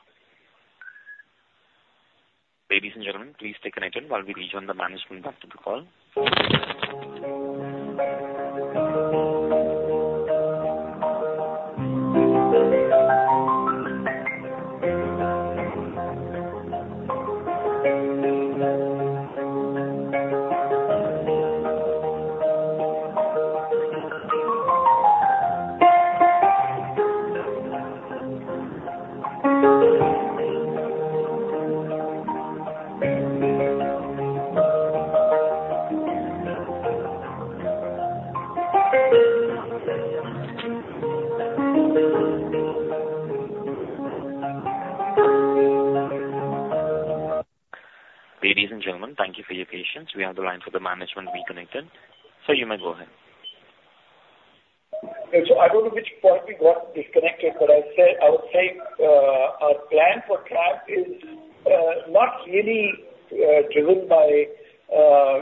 Ladies and gentlemen, please stay connected while we rejoin the management back to the call. Ladies and gentlemen, thank you for your patience. We have the line for the management reconnected. Sir, you may go ahead. So I don't know which point we got disconnected, but I said, I would say, our plan for Triumph is not really driven by,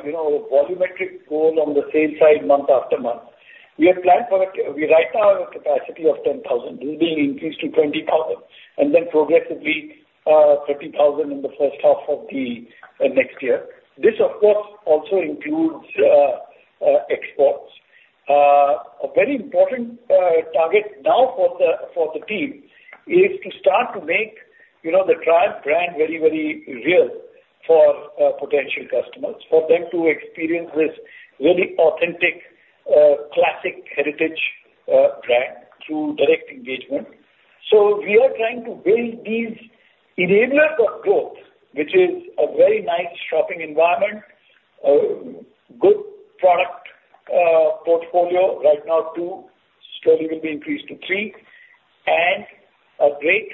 you know, volumetric goal on the sales side month after month. We have planned for a, we right now have a capacity of 10,000. This will be increased to 20,000, and then progressively 30,000 in the first half of the next year. This, of course, also includes exports. A very important target now for the team is to start to make, you know, the Triumph brand very, very real for potential customers, for them to experience this really authentic classic heritage brand through direct engagement. So we are trying to build these enablers of growth, which is a very nice shopping environment, a good product portfolio. Right now, two stores will be increased to three and a great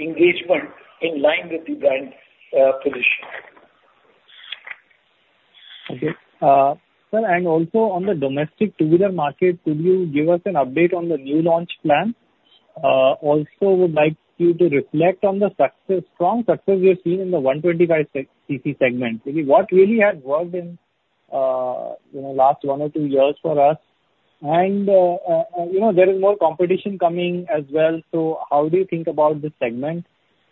engagement in line with the brand position. Okay. Sir, and also on the domestic two-wheeler market, could you give us an update on the new launch plan? Also would like you to reflect on the success, strong success we have seen in the 125 cc segment. Maybe what really has worked in, you know, last one or two years for us, and, you know, there is more competition coming as well. So how do you think about this segment?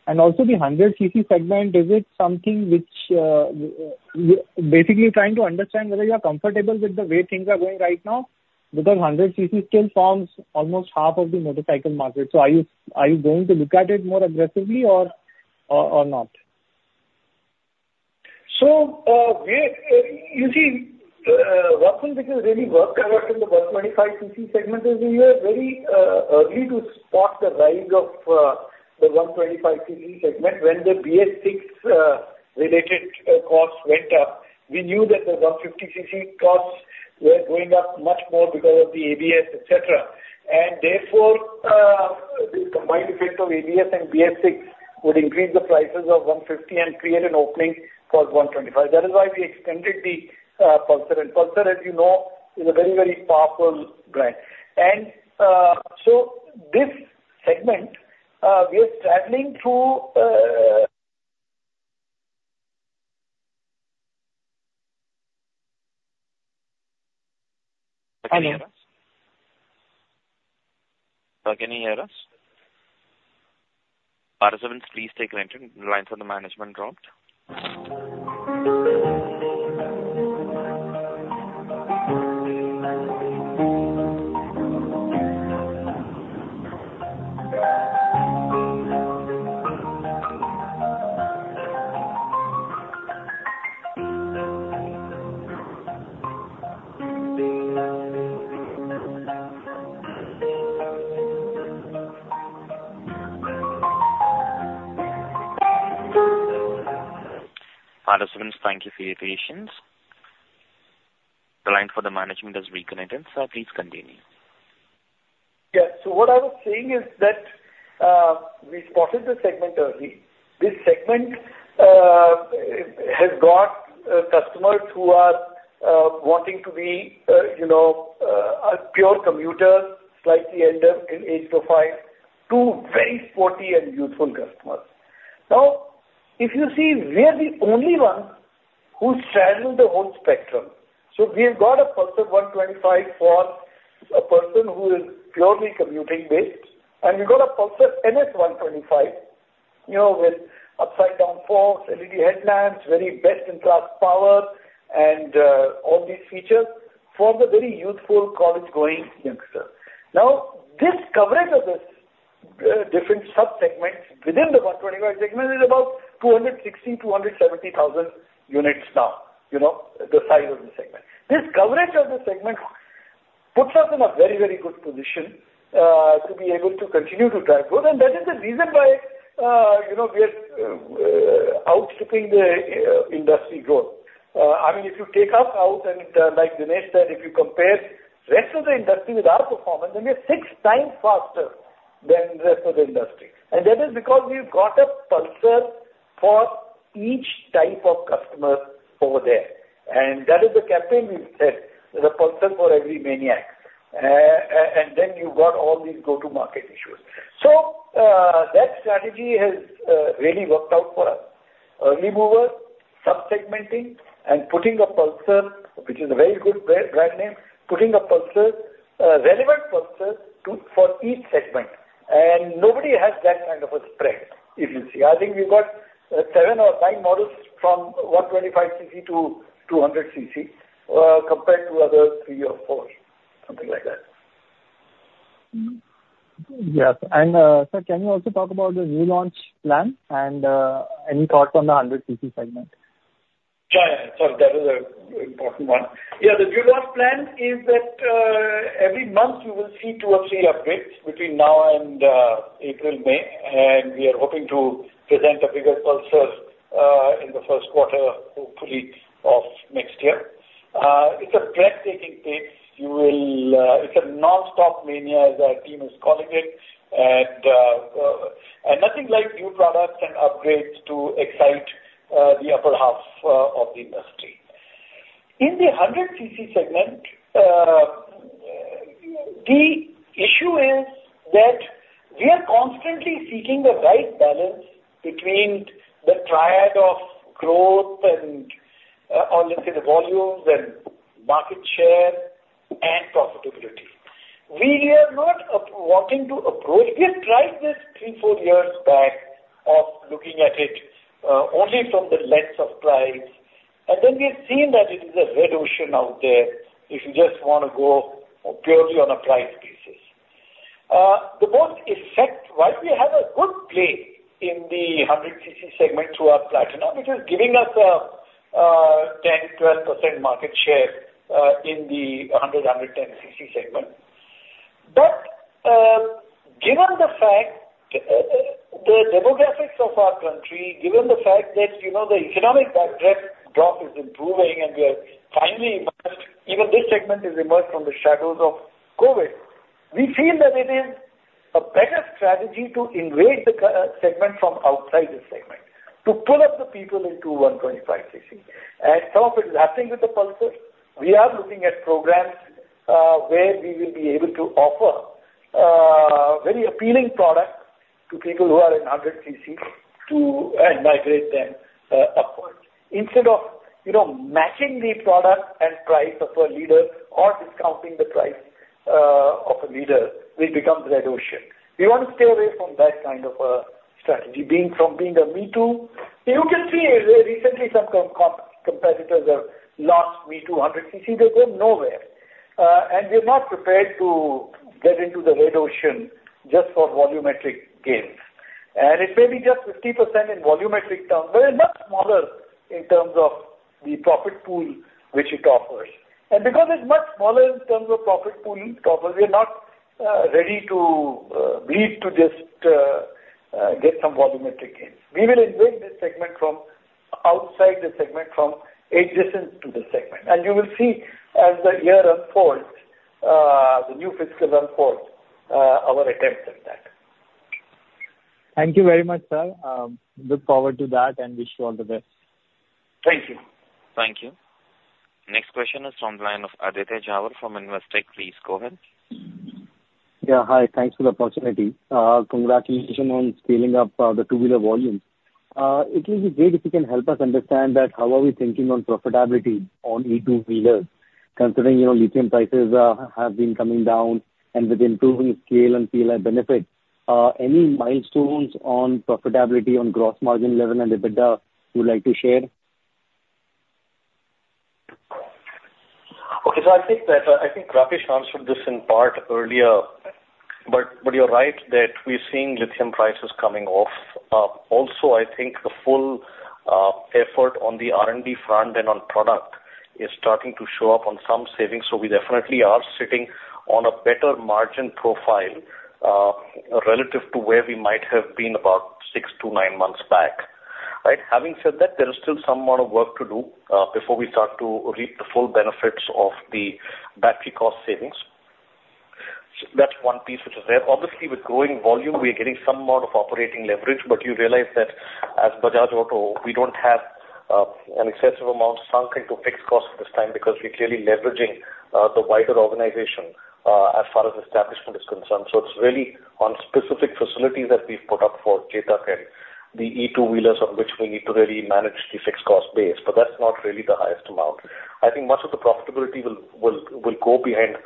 And also the 100 cc segment, is it something which, basically trying to understand whether you are comfortable with the way things are going right now? Because 100 cc still forms almost half of the motorcycle market. So are you, are you going to look at it more aggressively or, or, or not? So, we, you see, one thing which has really worked for us in the 125 cc segment is we were very early to spot the rise of the 125 cc segment. When the BS-VI related costs went up, we knew that the 150 cc costs were going up much more because of the ABS, et cetera. And therefore, the combined effect of ABS and BS-VI would increase the prices of 150 and create an opening for 125. That is why we extended the Pulsar. And Pulsar, as you know, is a very, very powerful brand. And, so this segment, we are traveling through... Sir, can you hear us? Sir, can you hear us? Participants, please stay connected. The lines are the management dropped. Participants, thank you for your patience. The line for the management has reconnected. Sir, please continue. Yeah. So what I was saying is that we spotted the segment early. This segment has got customers who are wanting to be, you know, a pure commuter, slightly elder in age profile, to very sporty and youthful customers. Now, if you see, we are the only one who straddle the whole spectrum. So we have got a Pulsar 125 for a person who is purely commuting based, and we've got a Pulsar NS125, you know, with upside down forks, LED headlamps, very best-in-class power, and all these features for the very youthful college-going youngster. Now, this coverage of this different subsegments within the 125 segment is about 260,000-270,000 units now, you know, the size of the segment. This coverage of the segment puts us in a very, very good position to be able to continue to drive growth. And that is the reason why, you know, we are outstripping the industry growth. I mean, if you take us out and, like Dinesh said, if you compare rest of the industry with our performance, then we are six times faster than the rest of the industry. And that is because we've got a Pulsar for each type of customer over there. And that is the campaign we've said, there's a Pulsar for every maniac. And then you've got all these go-to-market issues. So, that strategy has really worked out for us. Early mover, sub-segmenting, and putting a Pulsar, which is a very good brand name, putting a Pulsar, a relevant Pulsar to for each segment. Nobody has that kind of a spread, if you see. I think we've got seven or nine models from 125 cc-200 cc compared to other three or four, something like that. Yes. And, sir, can you also talk about the new launch plan and any thoughts on the 100 cc segment? Sure, yeah. So that is an important one. Yeah, the new launch plan is that, every month you will see two or three upgrades between now and, April-May, and we are hoping to present a bigger Pulsar, in the first quarter, hopefully, of next year. It's a breathtaking pace. You will... It's a nonstop mania, as our team is calling it, and, and nothing like new products and upgrades to excite, the upper half, of the industry. In the 100 cc segment, the issue is that we are constantly seeking the right balance between the triad of growth and, or let's say, the volumes and market share and profitability. We are not wanting to approach. We have tried this three to four years back of looking at it only from the lens of price, and then we have seen that it is a red ocean out there if you just want to go purely on a price basis. The most effect, while we have a good play in the 100 cc segment through our Platina, it is giving us a 10%-12% market share in the 100-110 cc segment. But given the fact the demographics of our country, given the fact that, you know, the economic backdrop is improving and we are finally emerged, even this segment is emerged from the shadows of COVID, we feel that it is a better strategy to invade the segment from outside the segment, to pull up the people into 125 cc. And some of it is happening with the Pulsar. We are looking at programs, where we will be able to offer, very appealing product to people who are in 100 cc to, migrate them, upwards. Instead of, you know, matching the product and price of a leader or discounting the price, of a leader, it becomes red ocean. We want to stay away from that kind of a strategy, from being a me-too. You can see recently some competitors have launched me-too 100 cc. They're going nowhere. And we're not prepared to get into the red ocean just for volumetric gains. And it may be just 50% in volumetric terms, but it's much smaller in terms of the profit pool which it offers. Because it's much smaller in terms of profit pool it offers, we are not ready to bleed to just get some volumetric gains. We will invade this segment from outside the segment, from adjacent to the segment. You will see as the year unfolds, the new fiscal unfolds, our attempts at that. Thank you very much, sir. Look forward to that, and wish you all the best. Thank you. Thank you. Next question is from the line of Aditya Jhawar from Investec. Please go ahead. Yeah, hi. Thanks for the opportunity. Congratulations on scaling up the two-wheeler volumes. It will be great if you can help us understand that how are we thinking on profitability on E two-wheelers, considering, you know, lithium prices have been coming down and with improving scale and feel and benefit. Any milestones on profitability, on gross margin level and EBITDA you'd like to share? Okay. So I think that, I think Rakesh answered this in part earlier, but, but you're right that we're seeing lithium prices coming off. Also, I think the full effort on the R&D front and on product is starting to show up on some savings. So we definitely are sitting on a better margin profile, relative to where we might have been about six to nine months back. Right? Having said that, there is still some amount of work to do, before we start to reap the full benefits of the battery cost savings. So that's one piece which is there. Obviously, with growing volume, we are getting some amount of operating leverage, but you realize that as Bajaj Auto, we don't have an excessive amount sunk into fixed costs at this time because we're clearly leveraging the wider organization as far as establishment is concerned. So it's really on specific facilities that we've put up for Chetak and the E two-wheelers on which we need to really manage the fixed cost base, but that's not really the highest amount. I think much of the profitability will go behind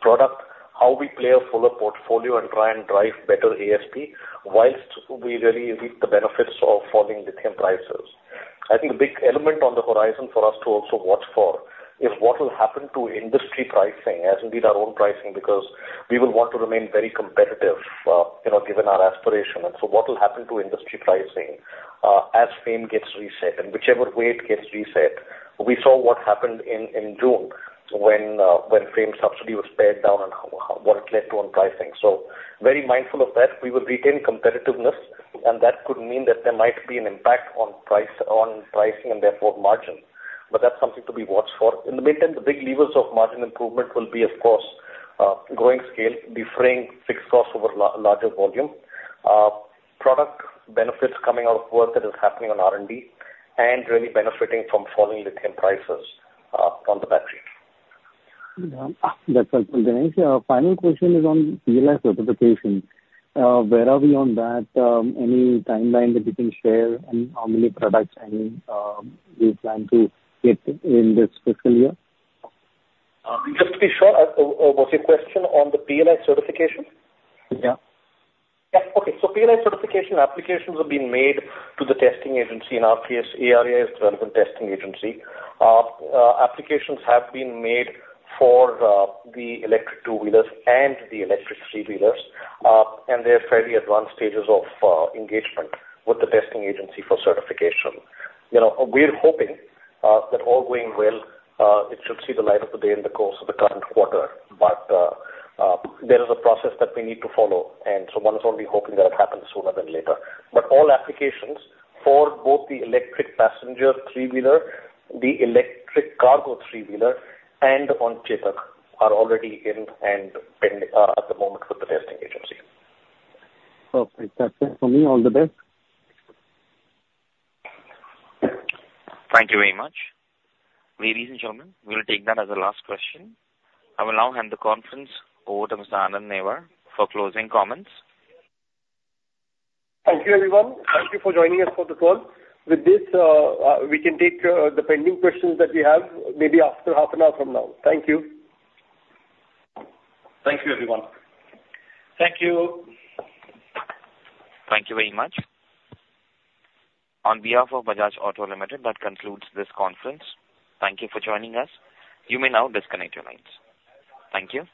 product, how we play a fuller portfolio and try and drive better ASP, whilst we really reap the benefits of falling lithium prices. I think a big element on the horizon for us to also watch for, is what will happen to industry pricing, as indeed our own pricing, because we will want to remain very competitive, you know, given our aspiration. And so what will happen to industry pricing, as FAME gets reset, and whichever way it gets reset? ...We saw what happened in June when FAME subsidy was pared down and what led to on pricing. So very mindful of that, we will retain competitiveness, and that could mean that there might be an impact on price, on pricing, and therefore margin. But that's something to be watched for. In the meantime, the big levers of margin improvement will be, of course, growing scale, deferring fixed costs over larger volume, product benefits coming out of work that is happening on R&D, and really benefiting from falling lithium prices on the battery. Yeah, that's helpful. Dinesh, final question is on PLI certification. Where are we on that? Any timeline that you can share on how many products and we plan to get in this fiscal year? Just to be sure, was your question on the PLI certification? Yeah. Yeah. Okay, so PLI certification applications have been made to the testing agency in our case. ARAI is relevant testing agency. Applications have been made for the electric two-wheelers and the electric three-wheelers, and they are fairly advanced stages of engagement with the testing agency for certification. You know, we are hoping that all going well, it should see the light of the day in the course of the current quarter. But there is a process that we need to follow, and so one is only hoping that it happens sooner than later. But all applications for both the electric passenger three-wheeler, the electric cargo three-wheeler and on Chetak are already in and pending at the moment with the testing agency. Perfect. That's it for me. All the best. Thank you very much. Ladies and gentlemen, we will take that as a last question. I will now hand the conference over to Mr. Anand Newar for closing comments. Thank you, everyone. Thank you for joining us for the call. With this, we can take the pending questions that we have maybe after half an hour from now. Thank you. Thank you, everyone. Thank you. Thank you very much. On behalf of Bajaj Auto Limited, that concludes this conference. Thank you for joining us. You may now disconnect your lines. Thank you.